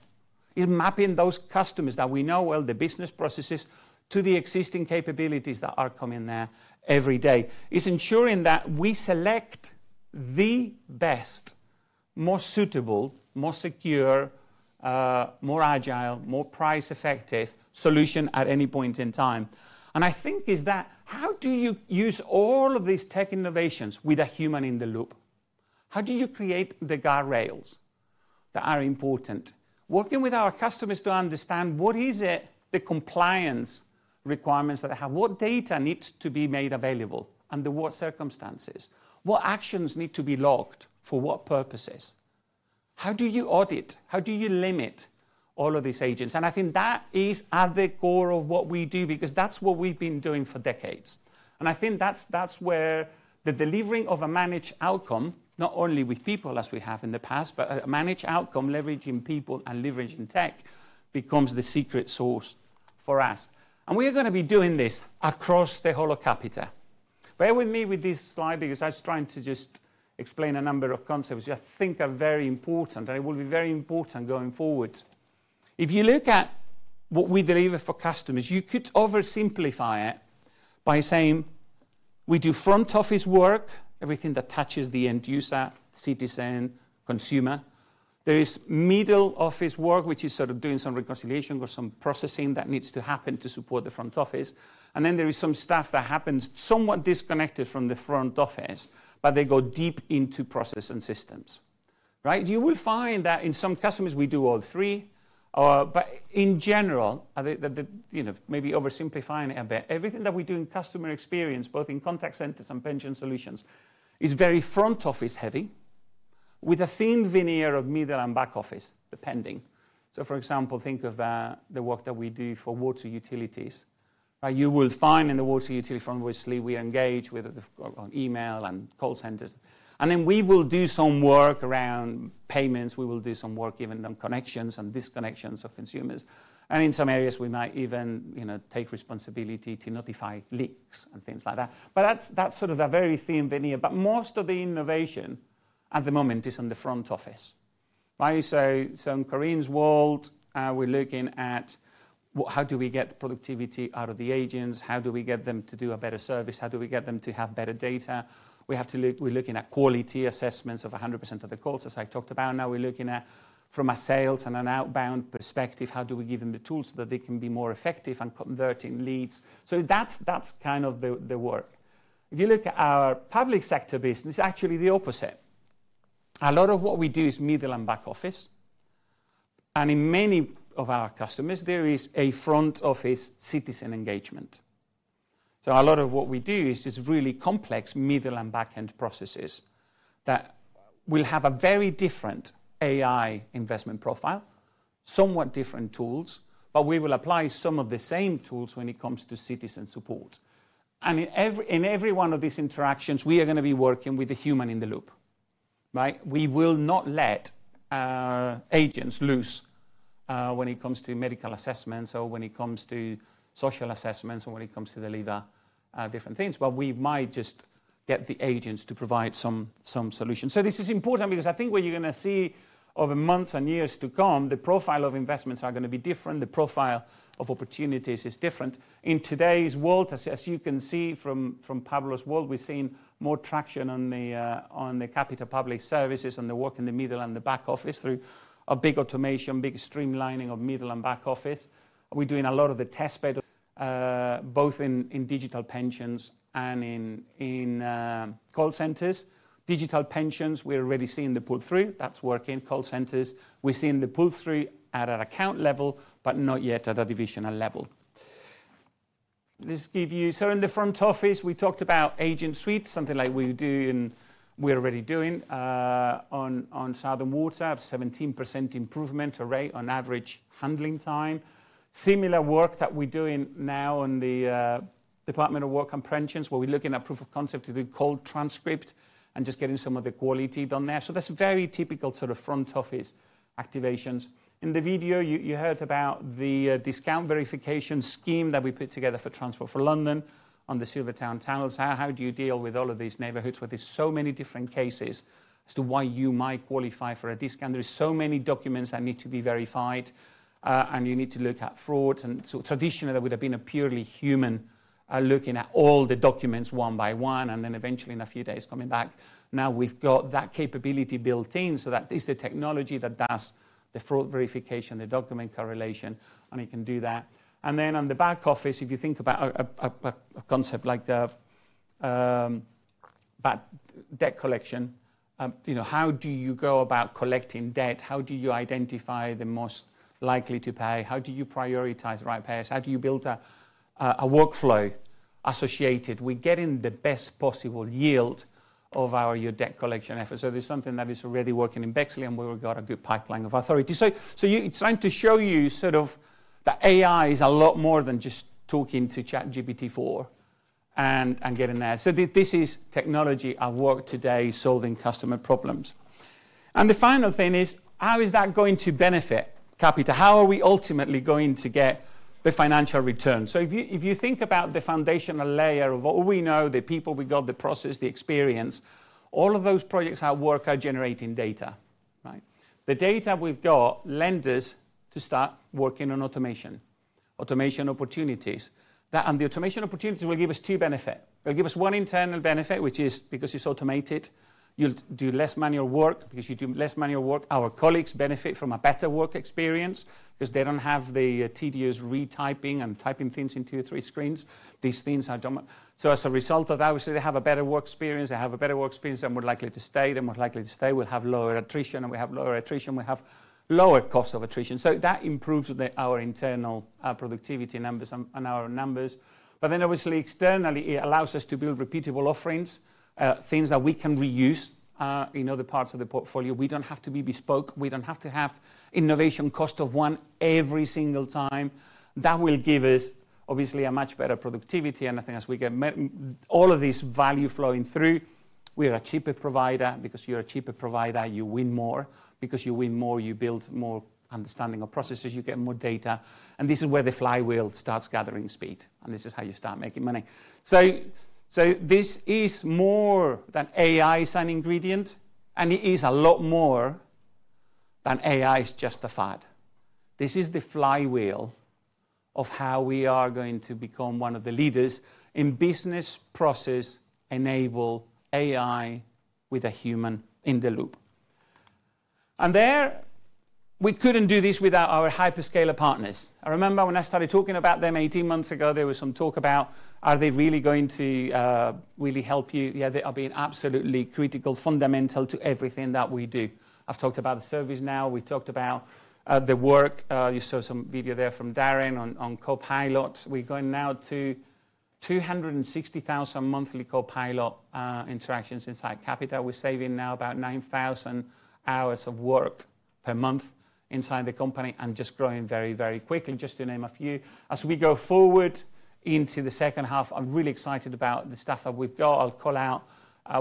It's mapping those customers that we know well, the business processes to the existing capabilities that are coming there every day. It's ensuring that we select the best, more suitable, more secure, more agile, more price-effective solution at any point in time. I think it's that how do you use all of these tech innovations with a human in the loop? How do you create the guardrails that are important? Working with our customers to understand what is it, the compliance requirements that they have, what data needs to be made available under what circumstances? What actions need to be logged for what purposes? How do you audit? How do you limit all of these agents? I think that is at the core of what we do because that's what we've been doing for decades. I think that's where the delivering of a managed outcome, not only with people as we have in the past, but a managed outcome leveraging people and leveraging tech becomes the secret sauce for us. We are going to be doing this across the whole of Capita. Bear with me with this slide because I was trying to just explain a number of concepts which I think are very important, and it will be very important going forward. If you look at what we deliver for customers, you could oversimplify it by saying we do front office work, everything that touches the end user, citizen, consumer. There is middle office work, which is sort of doing some reconciliation or some processing that needs to happen to support the front office. There is some stuff that happens somewhat disconnected from the front office, but they go deep into process and systems. You will find that in some customers we do all three, but in general, maybe oversimplifying it a bit, everything that we do in customer experience, both in contact centers and pension solutions, is very front office heavy, with a thin veneer of middle and back office, depending. For example, think of the work that we do for water utilities. You will find in the water utility front office, we engage with email and call centers. We will do some work around payments. We will do some work giving them connections and disconnections of consumers. In some areas, we might even take responsibility to notify leaks and things like that. That is sort of a very thin veneer. Most of the innovation at the moment is in the front office, right? In Corinne's world, we're looking at how do we get productivity out of the agents, how do we get them to do a better service, how do we get them to have better data. We're looking at quality assessments of 100% of the calls, as I talked about. Now we're looking at, from a sales and an outbound perspective, how do we give them the tools so that they can be more effective in converting leads. That is kind of the work. If you look at our public sector business, it's actually the opposite. A lot of what we do is middle and back office. In many of our customers, there is a front office citizen engagement. A lot of what we do is just really complex middle and back-end processes that will have a very different AI investment profile, somewhat different tools, but we will apply some of the same tools when it comes to citizen support. In every one of these interactions, we are going to be working with a human in the loop, right? We will not let our agents lose when it comes to medical assessments or when it comes to social assessments or when it comes to the leader of different things, but we might just get the agents to provide some solutions. This is important because I think what you're going to see over months and years to come, the profile of investments are going to be different. The profile of opportunities is different. In today's world, as you can see from Pablo's world, we're seeing more traction on the Capita Public Service and the work in the middle and the back office through a big automation, big streamlining of middle and back office. We're doing a lot of the test bed, both in digital pensions and in contact centers. Digital pensions, we're already seeing the pull-through that's working call centers, we're seeing the pull-through at an account level, but not yet at a divisional level. This gives you. In the front office, we talked about agent suites, something like we're doing, we're already doing on Southern Water, 17% improvement rate on average handling time. Similar work that we're doing now on the Department for Work and Pensions, where we're looking at proof of concept to do call transcript and just getting some of the quality done there. That's very typical sort of front office activations. In the video, you heard about the discount verification scheme that we put together for Transport for London on the Silvertown Tunnels. How do you deal with all of these neighborhoods where there's so many different cases as to why you might qualify for a discount? There are so many documents that need to be verified, and you need to look at fraud. Traditionally, that would have been a purely human looking at all the documents one by one, and then eventually in a few days coming back. Now we've got that capability built in, so that is the technology that does the fraud verification, the document correlation, and it can do that. On the back office, if you think about a concept like the debt collection, how do you go about collecting debt? How do you identify the most likely to pay? How do you prioritize the right payers? How do you build a workflow associated with getting the best possible yield of your debt collection efforts? There's something that is already working in Bexley, and we've got a good pipeline of authorities. It's trying to show you that AI is a lot more than just talking to ChatGPT-4 and getting there. This is technology at work today solving customer problems. The final thing is, how is that going to benefit Capita? How are we ultimately going to get the financial return? If you think about the foundational layer of what we know, the people we got, the process, the experience, all of those projects at work are generating data. The data we've got lends us to start working on automation, automation opportunities. The automation opportunities will give us two benefits. They'll give us one internal benefit, which is because it's automated, you'll do less manual work. Because you do less manual work, our colleagues benefit from a better work experience because they don't have the tedious retyping and typing things in two or three screens. These things are done. As a result of that, obviously, they have a better work experience. They have a better work experience and are more likely to stay. They're more likely to stay. We'll have lower attrition, and we have lower attrition. We have lower costs of attrition. That improves our internal productivity numbers and our numbers. Externally, it allows us to build repeatable offerings, things that we can reuse in other parts of the portfolio. We don't have to be bespoke. We don't have to have innovation cost of one every single time. That will give us obviously a much better productivity. I think as we get all of this value flowing through, we are a cheaper provider because you're a cheaper provider. You win more because you win more. You build more understanding of processes. You get more data. This is where the flywheel starts gathering speed. This is how you start making money. This is more than AI's an ingredient, and it is a lot more than AI's justified. This is the flywheel of how we are going to become one of the leaders in business process-enabled AI with a human in the loop. We couldn't do this without our hyperscaler partners. I remember when I started talking about them 18 months ago, there was some talk about, are they really going to really help you? Yeah, they are being absolutely critical, fundamental to everything that we do. I've talked about ServiceNow. We've talked about the work. You saw some video there from Darren on Copilot. We're going now to 260,000 monthly Copilot interactions inside Capita. We're saving now about 9,000 hours of work per month inside the company and just growing very, very quickly, just to name a few. As we go forward into the second half, I'm really excited about the stuff that we've got. I'll call out.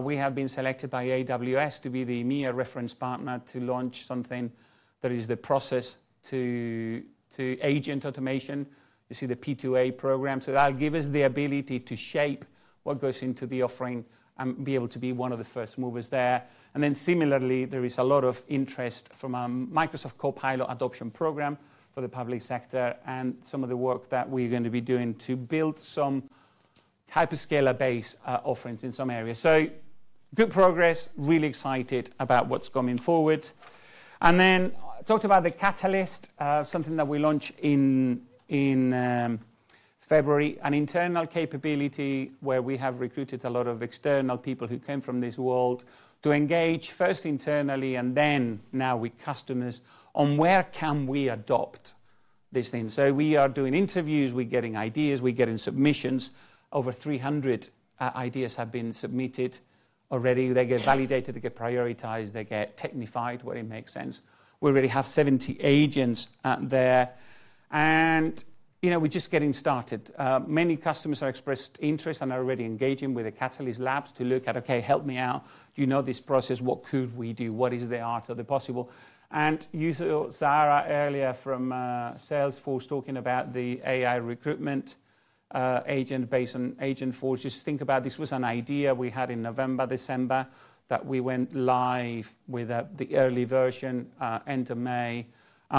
We have been selected by AWS to be the EMEA reference partner to launch something that is the process to agent automation. You see the P2A program. That'll give us the ability to shape what goes into the offering and be able to be one of the first movers there. Similarly, there is a lot of interest from our Microsoft Copilot adoption program for the public sector and some of the work that we're going to be doing to build some hyperscaler-based offerings in some areas. Good progress, really excited about what's coming forward. I talked about the Catalyst, something that we launched in February, an internal capability where we have recruited a lot of external people who came from this world to engage first internally and then now with customers on where can we adopt this thing. We are doing interviews. We're getting ideas. We're getting submissions. Over 300 ideas have been submitted already. They get validated. They get prioritized. They get technified where it makes sense. We already have 70 agents there. We're just getting started. Many customers have expressed interest and are already engaging with the AI Catalyst Labs to look at, okay, help me out. Do you know this process? What could we do? What is the art of the possible? You saw Sarah earlier from Salesforce talking about the AI recruitment agent based on Agentforce. Just think about this was an idea we had in November, December that we went live with the early version end of May.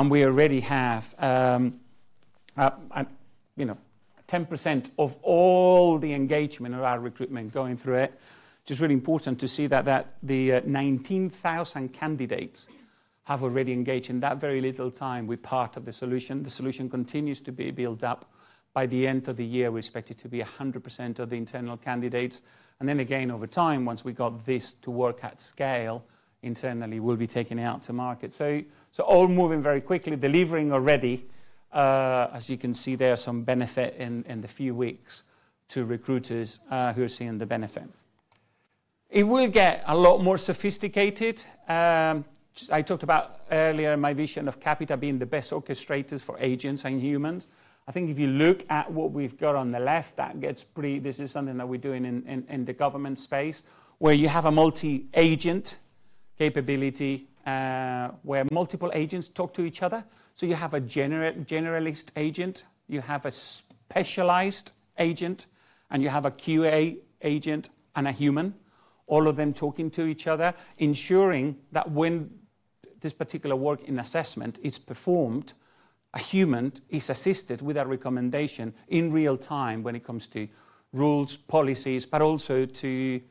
We already have 10% of all the engagement of our recruitment going through it. It's just really important to see that the 19,000 candidates have already engaged in that very little time. We're part of the solution. The solution continues to be built up. By the end of the year, we expect it to be 100% of the internal candidates. Over time, once we got this to work at scale internally, we'll be taking it out to market. All moving very quickly, delivering already. As you can see, there's some benefit in the few weeks to recruiters who are seeing the benefit. It will get a lot more sophisticated. I talked about earlier my vision of Capita being the best orchestrators for agents and humans. I think if you look at what we've got on the left, that gets pretty. This is something that we're doing in the government space where you have a multi-agent capability, where multiple agents talk to each other. You have a generalist agent, you have a specialized agent, and you have a QA agent and a human, all of them talking to each other, ensuring that when this particular work in assessment is performed, a human is assisted with a recommendation in real time when it comes to rules, policies, but also to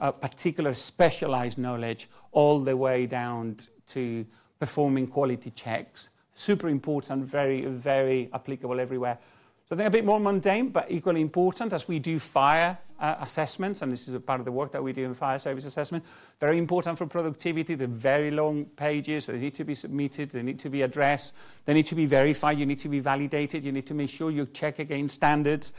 a particular specialized knowledge all the way down to performing quality checks. Super important, very, very applicable everywhere. They're a bit more mundane, but equally important as we do fire assessments, and this is a part of the work that we do in fire service assessment. Very important for productivity. They're very long pages. They need to be submitted. They need to be addressed. They need to be verified. You need to be validated. You need to make sure you check against standards.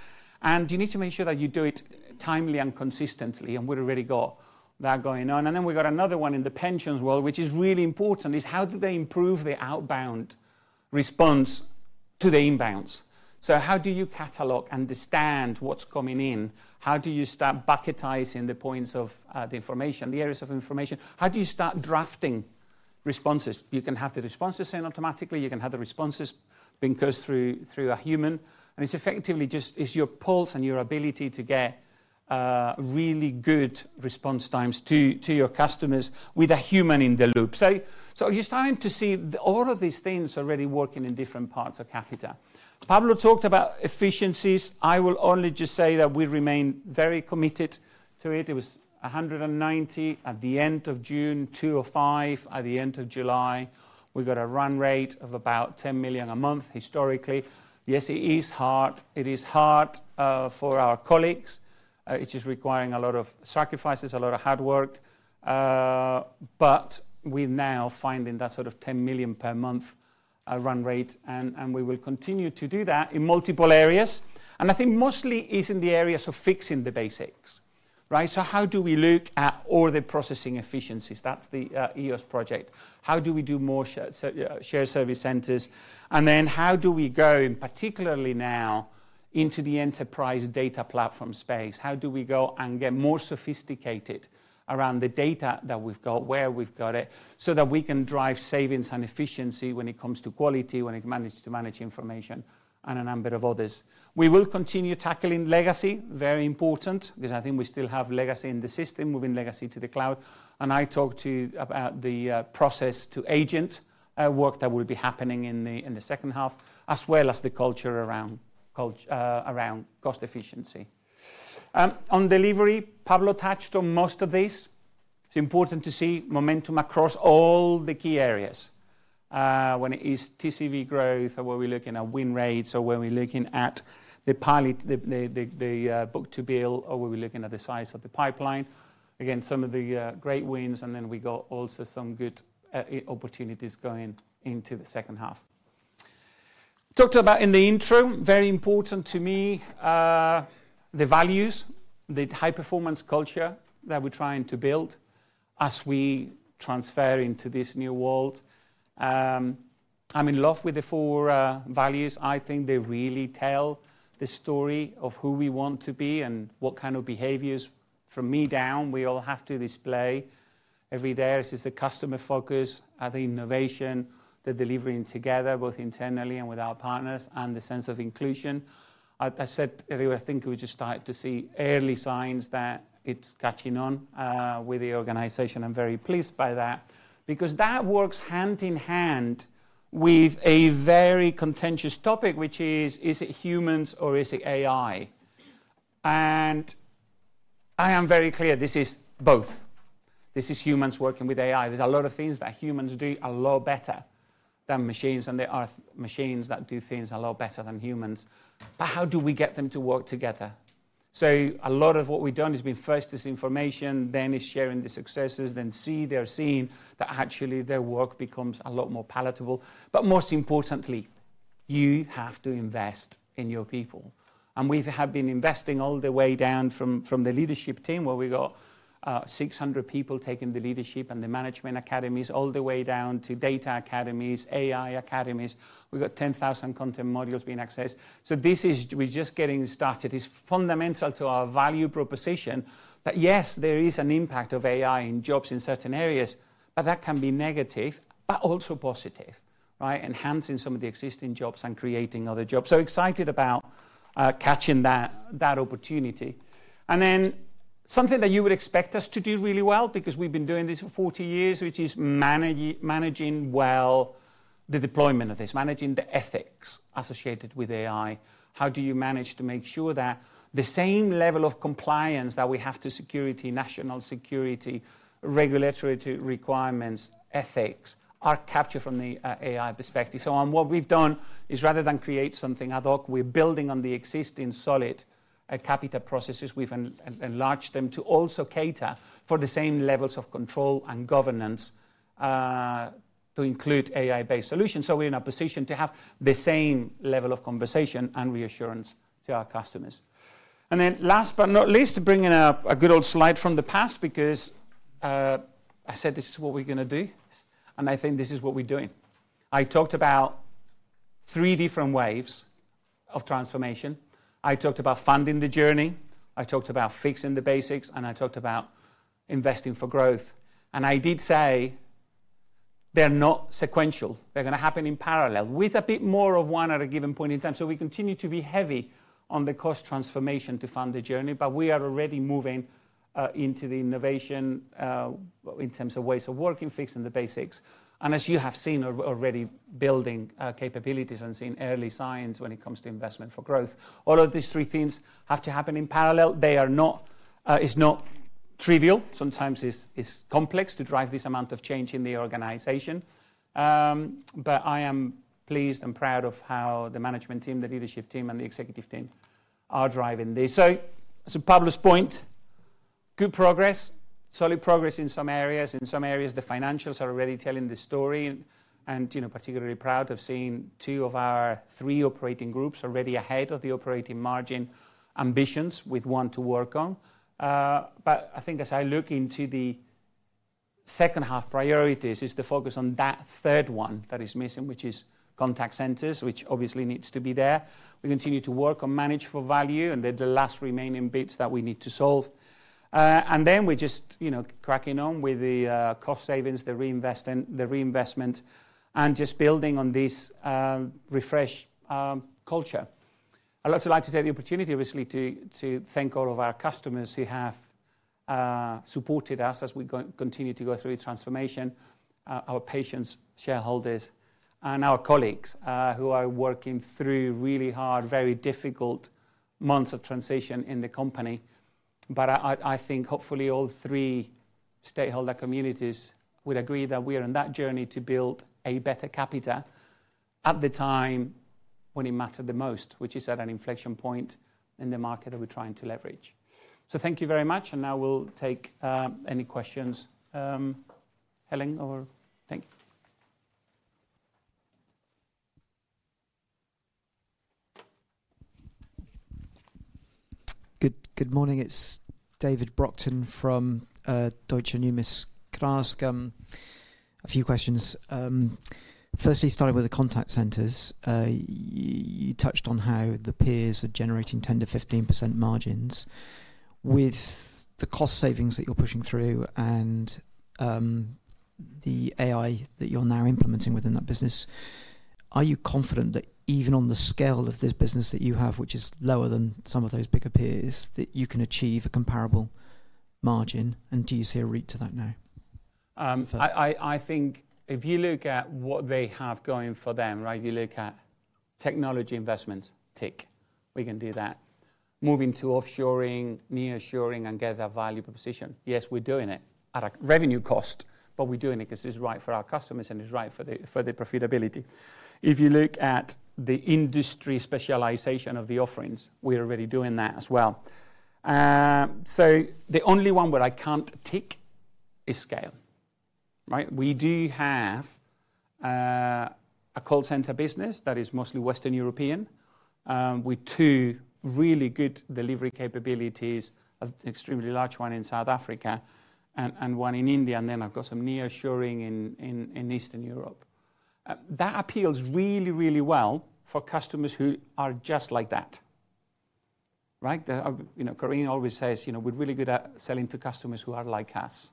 You need to make sure that you do it timely and consistently. We've already got that going on. We've got another one in the pensions world, which is really important, is how do they improve the outbound response to the inbounds? How do you catalog, understand what's coming in? How do you start bucketizing the points of the information, the areas of information? How do you start drafting responses? You can have the responses sent automatically. You can have the responses being coursed through a human. It is effectively just your pulse and your ability to get really good response times to your customers with a human in the loop. You are starting to see all of these things already working in different parts of Capita. Pablo talked about efficiencies. I will only just say that we remain very committed to it. It was 190 million at the end of June, 205 million at the end of July. We have got a run rate of about 10 million a month historically. Yes, it is hard. It is hard for our colleagues. It is requiring a lot of sacrifices, a lot of hard work. We are now finding that sort of 10 million per month run rate, and we will continue to do that in multiple areas. I think mostly it is in the areas of fixing the basics. Right? How do we look at all the processing efficiencies? That is the EOS project. How do we do more shared service centers? How do we go, particularly now, into the enterprise data platform space? How do we go and get more sophisticated around the data that we have got, where we have got it, so that we can drive savings and efficiency when it comes to quality, when it manages to manage information, and a number of others? We will continue tackling legacy. Very important, because I think we still have legacy in the system, moving legacy to the cloud. I talked about the process to agent work that will be happening in the second half, as well as the culture around cost efficiency. On delivery, Pablo touched on most of these. It is important to see momentum across all the key areas. When it is TCV growth, or when we are looking at win rates, or when we are looking at the book-to-bill, or when we are looking at the size of the pipeline. Again, some of the great wins, and we have also got some good opportunities going into the second half. Talked about in the intro, very important to me, the values, the high-performance culture that we are trying to build as we transfer into this new world. I am in love with the four values. I think they really tell the story of who we want to be and what kind of behaviors, from me down, we all have to display every day. This is the customer focus, the innovation, the delivering together, both internally and with our partners, and the sense of inclusion. As I said earlier, I think we just started to see early signs that it's catching on with the organization. I'm very pleased by that because that works hand in hand with a very contentious topic, which is, is it humans or is it AI? I am very clear this is both. This is humans working with AI. There's a lot of things that humans do a lot better than machines, and there are machines that do things a lot better than humans. How do we get them to work together? A lot of what we've done has been first disinformation, then is sharing the successes, then see they're seeing that actually their work becomes a lot more palatable. Most importantly, you have to invest in your people. We have been investing all the way down from the leadership team, where we've got 600 people taking the leadership and the management academies, all the way down to data academies, AI academies. We've got 10,000 content modules being accessed. This is, -- we're just getting started. It's fundamental to our value proposition that yes, there is an impact of AI in jobs in certain areas, that can be negative, but also positive, right? Enhancing some of the existing jobs and creating other jobs. Excited about catching that opportunity. Then something that you would expect us to do really well, because we've been doing this for 40 years, which is managing well the deployment of this, managing the ethics associated with AI. How do you manage to make sure that the same level of compliance that we have to security, national security, regulatory requirements, ethics are captured from the AI perspective? What we've done is rather than create something ad hoc, we're building on the existing solid Capita processes. We've enlarged them to also cater for the same levels of control and governance to include AI-based solutions. We're in a position to have the same level of conversation and reassurance to our customers. Last but not least, bringing up a good old slide from the past because I said this is what we're going to do, and I think this is what we're doing. I talked about three different waves of transformation. I talked about funding the journey. I talked about fixing the basics, and I talked about investing for growth. I did say they're not sequential. They're going to happen in parallel with a bit more of one at a given point in time. We continue to be heavy on the cost transformation to fund the journey, but we are already moving into the innovation in terms of ways of working, fixing the basics. As you have seen already, building capabilities and seeing early signs when it comes to investment for growth, all of these three things have to happen in parallel. It's not trivial. Sometimes it's complex to drive this amount of change in the organization. I am pleased and proud of how the management team, the leadership team, and the executive team are driving this. To Pablo's point, good progress, solid progress in some areas. In some areas, the financials are already telling the story. I'm particularly proud of seeing two of our three operating groups already ahead of the operating margin ambitions with one to work on. I think as I look into the second half priorities, it's the focus on that third one that is missing, which is contact centers, which obviously needs to be there. We continue to work on manage for value and the last remaining bits that we need to solve. We're just cracking on with the cost savings, the reinvestment, and just building on this refreshed culture. I'd also like to take the opportunity to thank all of our customers who have supported us as we continue to go through the transformation, our patients, shareholders, and our colleagues who are working through really hard, very difficult months of transition in the company. I think hopefully all three stakeholder communities would agree that we are on that journey to build a better Capita at the time when it mattered the most, which is at an inflection point in the market that we're trying to leverage. Thank you very much. Now we'll take any questions. Helen or David? Good morning. It's David Brockton from Deutsche Numis. A few questions. Firstly, starting with the contact centers, you touched on how the peers are generating 10% to 15% margins with the cost savings that you're pushing through and the AI that you're now implementing within that business. Are you confident that even on the scale of this business that you have, which is lower than some of those bigger peers, that you can achieve a comparable margin? Do you see a route to that now? I think if you look at what they have going for them, right, if you look at technology investment, tick, we can do that. Moving to offshoring, nearshoring, and get that value proposition. Yes, we're doing it at a revenue cost, but we're doing it because it's right for our customers and it's right for the profitability. If you look at the industry specialization of the offerings, we're already doing that as well. The only one where I can't tick is scale. We do have a contact centers business that is mostly Western European with two really good delivery capabilities, an extremely large one in South Africa and one in India. I've got some nearshoring in Eastern Europe. That appeals really, really well for customers who are just like that. Corinne always says, you know, we're really good at selling to customers who are like us.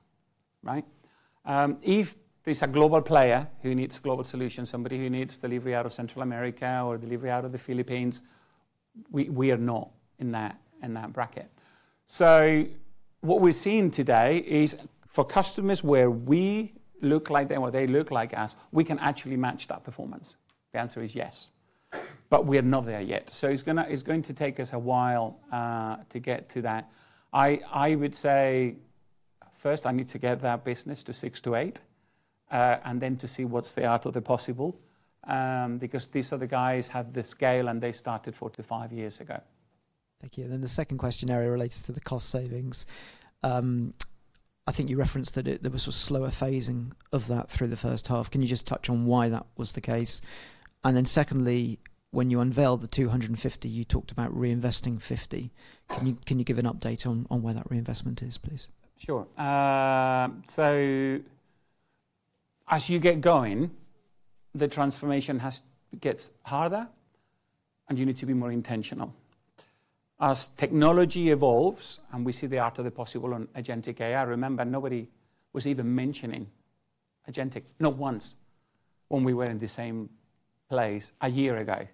If there's a global player who needs global solutions, somebody who needs delivery out of Central America or delivery out of the Philippines, we are not in that bracket. What we're seeing today is for customers where we look like them or they look like us, we can actually match that performance. The answer is yes, but we're not there yet. It's going to take us a while to get to that. I would say first I need to get that business to six to eight and then to see what's the art of the possible because these other guys had the scale and they started four to five years ago. Thank you. The second question area relates to the cost savings. I think you referenced that there was a slower phasing of that through the first half. Can you just touch on why that was the case? Secondly, when you unveiled the 250 million, you talked about reinvesting 50 million. Can you give an update on where that reinvestment is, please? Sure. As you get going, the transformation gets harder and you need to be more intentional. As technology evolves and we see the art of the possible on agentic AI, remember nobody was even mentioning agentic, not once, when we were in the same place a year ago.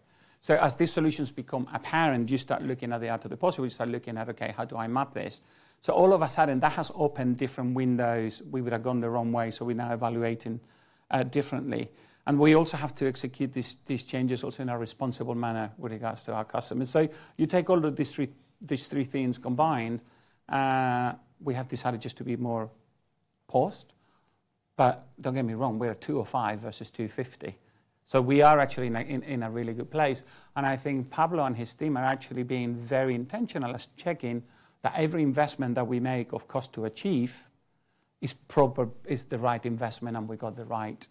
As these solutions become apparent, you start looking at the art of the possible. You start looking at, okay, how do I map this? All of a sudden that has opened different windows. We would have gone the wrong way. We are now evaluating differently. We also have to execute these changes in a responsible manner with regards to our customers. You take all of these three things combined, we have decided just to be more paused. Don't get me wrong, we're at 205 million versus 250 million. We are actually in a really good place. I think Pablo and his team are actually being very intentional at checking that every investment that we make of cost to achieve is the right investment and we've got the right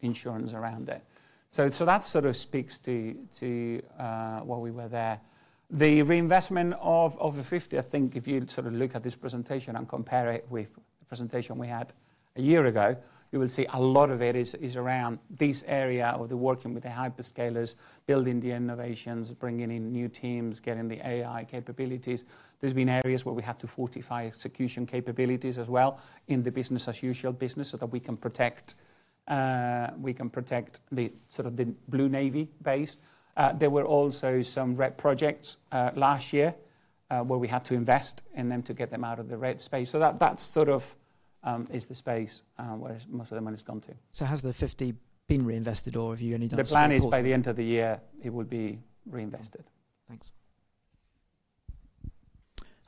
insurance around it. That sort of speaks to why we were there. The reinvestment of 50 million, I think if you sort of look at this presentation and compare it with the presentation we had a year ago, you will see a lot of it is around this area of working with the hyperscalers, building the innovations, bringing in new teams, getting the AI capabilities. There have been areas where we had to fortify execution capabilities as well in the business as usual business so that we can protect the sort of the Blue Navy base. There were also some red projects last year where we had to invest in them to get them out of the red space. That is the space where most of the money's gone to. Has the 50 million been reinvested or have you only done some? The plan is, by the end of the year, it will be reinvested. Thanks.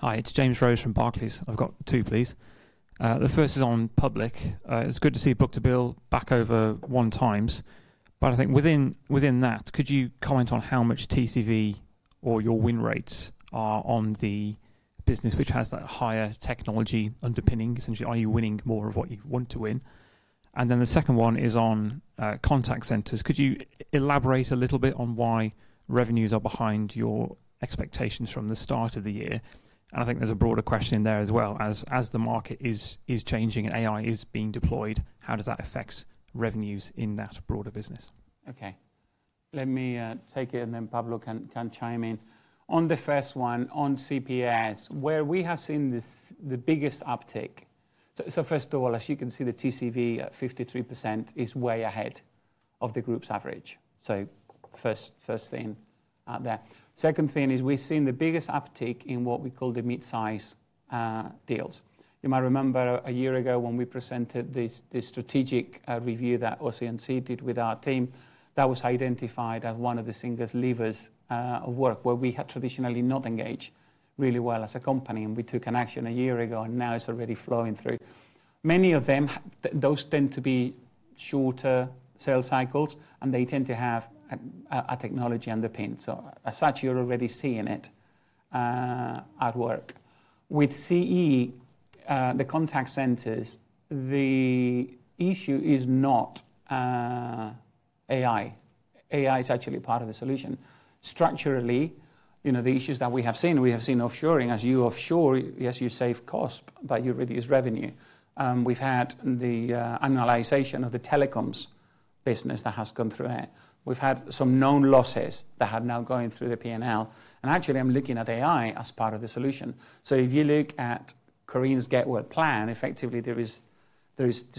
Hi, it's James Rose from Barclays. I've got two, please. The first is on public. It's good to see book-to-bill back over 1x. I think within that, could you comment on how much TCV or your win rates are on the business which has that higher technology underpinning? Essentially, are you winning more of what you want to win? The second one is on contact centers. Could you elaborate a little bit on why revenues are behind your expectations from the start of the year? I think there's a broader question in there as well. As the market is changing and AI is being deployed, how does that affect revenues in that broader business? Okay. Let me take it and then Pablo can chime in. On the first one, on CPS, where we have seen the biggest uptake. First of all, as you can see, the TCV at 53% is way ahead of the group's average. First thing out there. Second thing is we've seen the biggest uptake in what we call the mid-size deals. You might remember a year ago when we presented this strategic review that OC&C did with our team, that was identified as one of the singular levers of work where we had traditionally not engaged really well as a company. We took an action a year ago and now it's already flowing through. Many of them, those tend to be shorter sales cycles and they tend to have a technology underpin. As such, you're already seeing it at work. With CE, the contact centers, the issue is not AI.AI is actually part of the solution. Structurally, the issues that we have seen, we have seen offshoring. As you offshore, yes, you save costs, but you reduce revenue. We've had the under. Realization Of the telecoms business that has come through it, we've had some known losses that are now going through the P&L. I'm looking at AI as part of the solution. If you look at Corinne's get-well plan, effectively, there is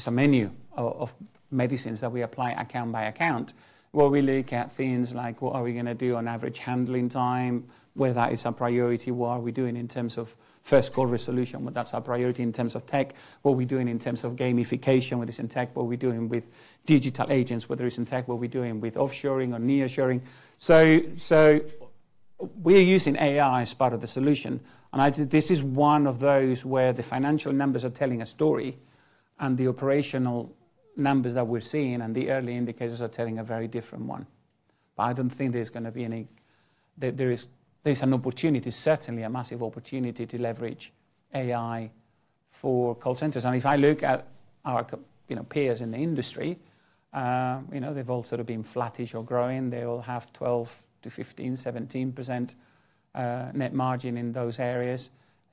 a menu of medicines that we apply account by account. We look at things like, what are we going to do on average handling time, where that is our priority. What are we doing in terms of first call resolution? That's our priority in terms of tech. What are we doing in terms of gamification with this in tech? What are we doing with digital agents, whether it's in tech? What are we doing with offshoring or nearshoring? We're using AI as part of the solution. This is one of those where the financial numbers are telling a story and the operational numbers that we're seeing and the early indicators are telling a very different one. I don't think there's going to be any. There is an opportunity, certainly a massive opportunity to leverage AI for contact centers. If I look at our peers in the industry, they've all sort of been flattish or growing. They all have 12% to 15%, 17% net margin in those areas.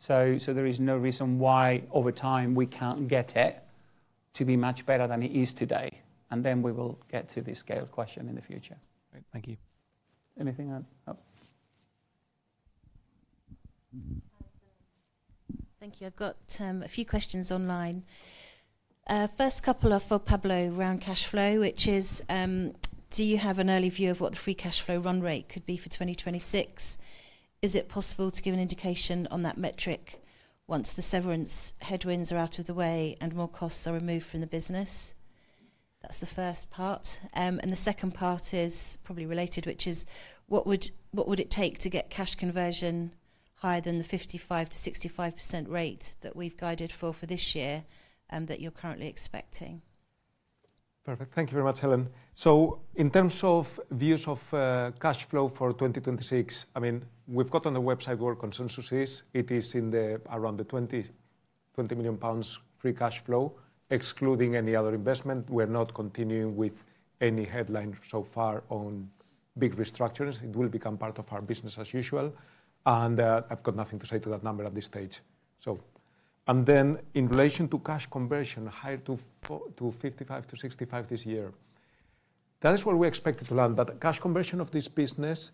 There is no reason why over time we can't get it to be much better than it is today. We will get to the scale question in the future. Thank you. Anything else? Thank you. I've got a few questions online. First couple are for Pablo around cash flow, which is, do you have an early view of what the free cash flow run rate could be for 2026? Is it possible to give an indication on that metric once the severance headwinds are out of the way and more costs are removed from the business? That's the first part. The second part is probably related, which is, what would it take to get cash conversion higher than the 55% to 65% rate that we've guided for for this year that you're currently expecting? Perfect. Thank you very much, Helen. In terms of views of cash flow for 2026, we've got on the website where consensus is. It is around the EUR 20 million free cash flow, excluding any other investment. We're not continuing with any headline so far on big restructurings. It will become part of our business as usual. I've got nothing to say to that number at this stage. In relation to cash conversion higher to 55% to 65% this year, that is where we expect it to land. That cash conversion of this business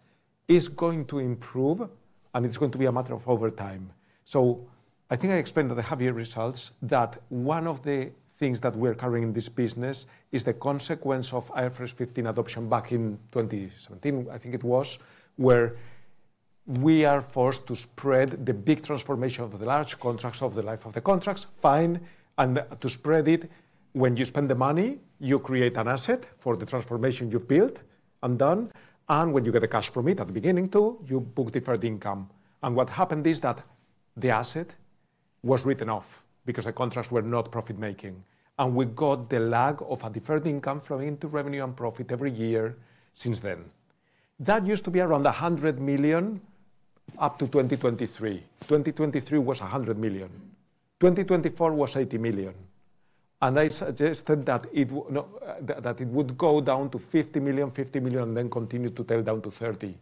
is going to improve and it's going to be a matter of over time. I think I explained at the half year results that one of the things that we're covering in this business is the consequence of IFRS 15 adoption back in 2017, I think it was, where we are forced to spread the big transformation of the large contracts over the life of the contracts. To spread it, when you spend the money, you create an asset for the transformation you've built and done. When you get the cash from it at the beginning too, you book deferred income. What happened is that the asset was written off because the contracts were not profit making, and we got the lag of a deferred income flowing into revenue and profit every year since then. That used to be around 100 million up to 2023. 2023 was 100 million. 2024 was 80 million. I suggested that it would go down to 50 million, 50 million, and then continue to tail down to 30 million.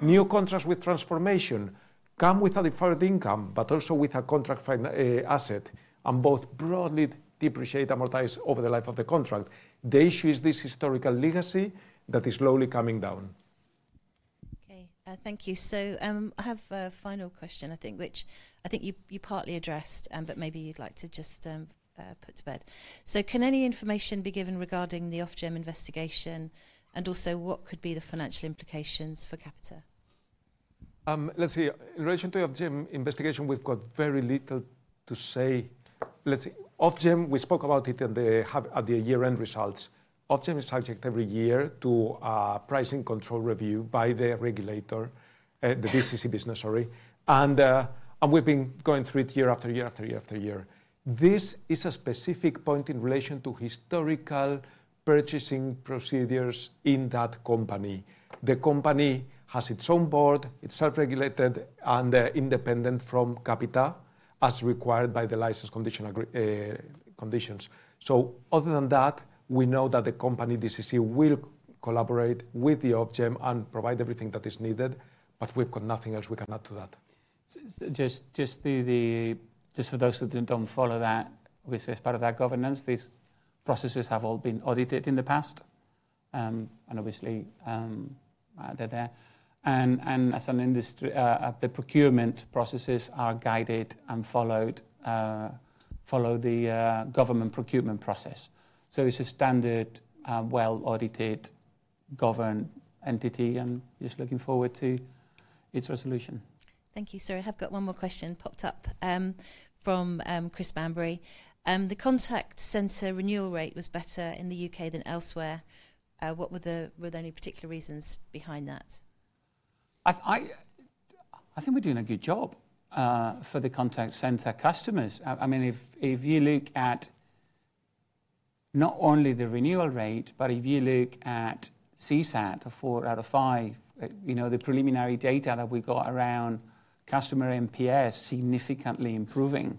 New contracts with transformation come with a deferred income, but also with a contract asset and both broadly depreciate and are amortized over the life of the contract. The issue is this historical legacy that is slowly coming down. Thank you. I have a final question, which I think you partly addressed, but maybe you'd like to just put to bed. Can any information be given regarding the Ofgem investigation and also what could be the financial implications for Capita? In relation to Ofgem investigation, we've got very little to say. Ofgem, we spoke about it in the year-end results. Ofgem is subject every year to a pricing control review by the regulator, the DCC business, sorry. We've been going through it year after year after year after year. This is a specific point in relation to historical purchasing procedures in that company. The company has its own board, it's self-regulated and independent from Capita as required by the license conditions. Other than that, we know that the company DCC will collaborate with Ofgem and provide everything that is needed, but we've got nothing else we can add to that. For those that don't follow that, obviously as part of that governance, these processes have all been audited in the past. Obviously, they're there, and as an industry, the procurement processes are guided and followed by the government procurement process. It's a standard, well-audited, governed entity and just looking forward to its resolution. Thank you, sir. I have got one more question popped up from Chris Bamberry. The contact center renewal rate was better in the U.K. than elsewhere. Were there any particular reasons behind that? I think we're doing a good job for the contact center customers. If you look at not only the renewal rate, but if you look at CSAT, a four out of five, the preliminary data that we got around customer NPS significantly improving.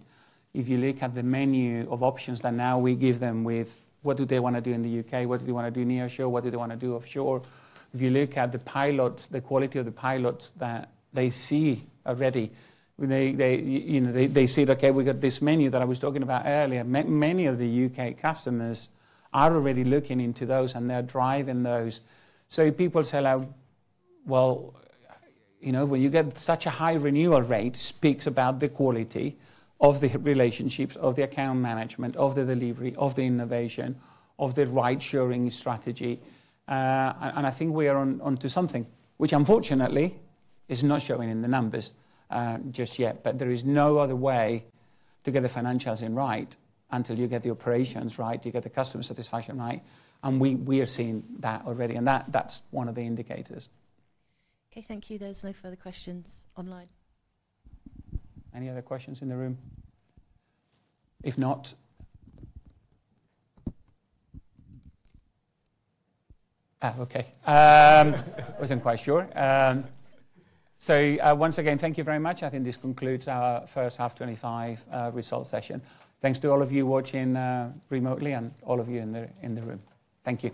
If you look at the menu of options that now we give them with what do they want to do in the U.K., what do they want to do nearshore, what do they want to do offshore. If you look at the pilots, the quality of the pilots that they see already, they see that, okay, we got this menu that I was talking about earlier. Many of the U.K. customers are already looking into those and they're driving those. People say, when you get such a high renewal rate, it speaks about the quality of the relationships, of the account management, of the delivery, of the innovation, of the right shoring strategy. I think we are onto something, which unfortunately is not showing in the numbers just yet, but there is no other way to get the financials in right until you get the operations right, you get the customer satisfaction right. We are seeing that already. That's one of the indicators. Okay, thank you. There's no further questions online. Any other questions in the room? If not. Okay. I wasn't quite sure. Once again, thank you very much. I think this concludes our first half 2025 results session. Thanks to all of you watching remotely and all of you in the room. Thank you.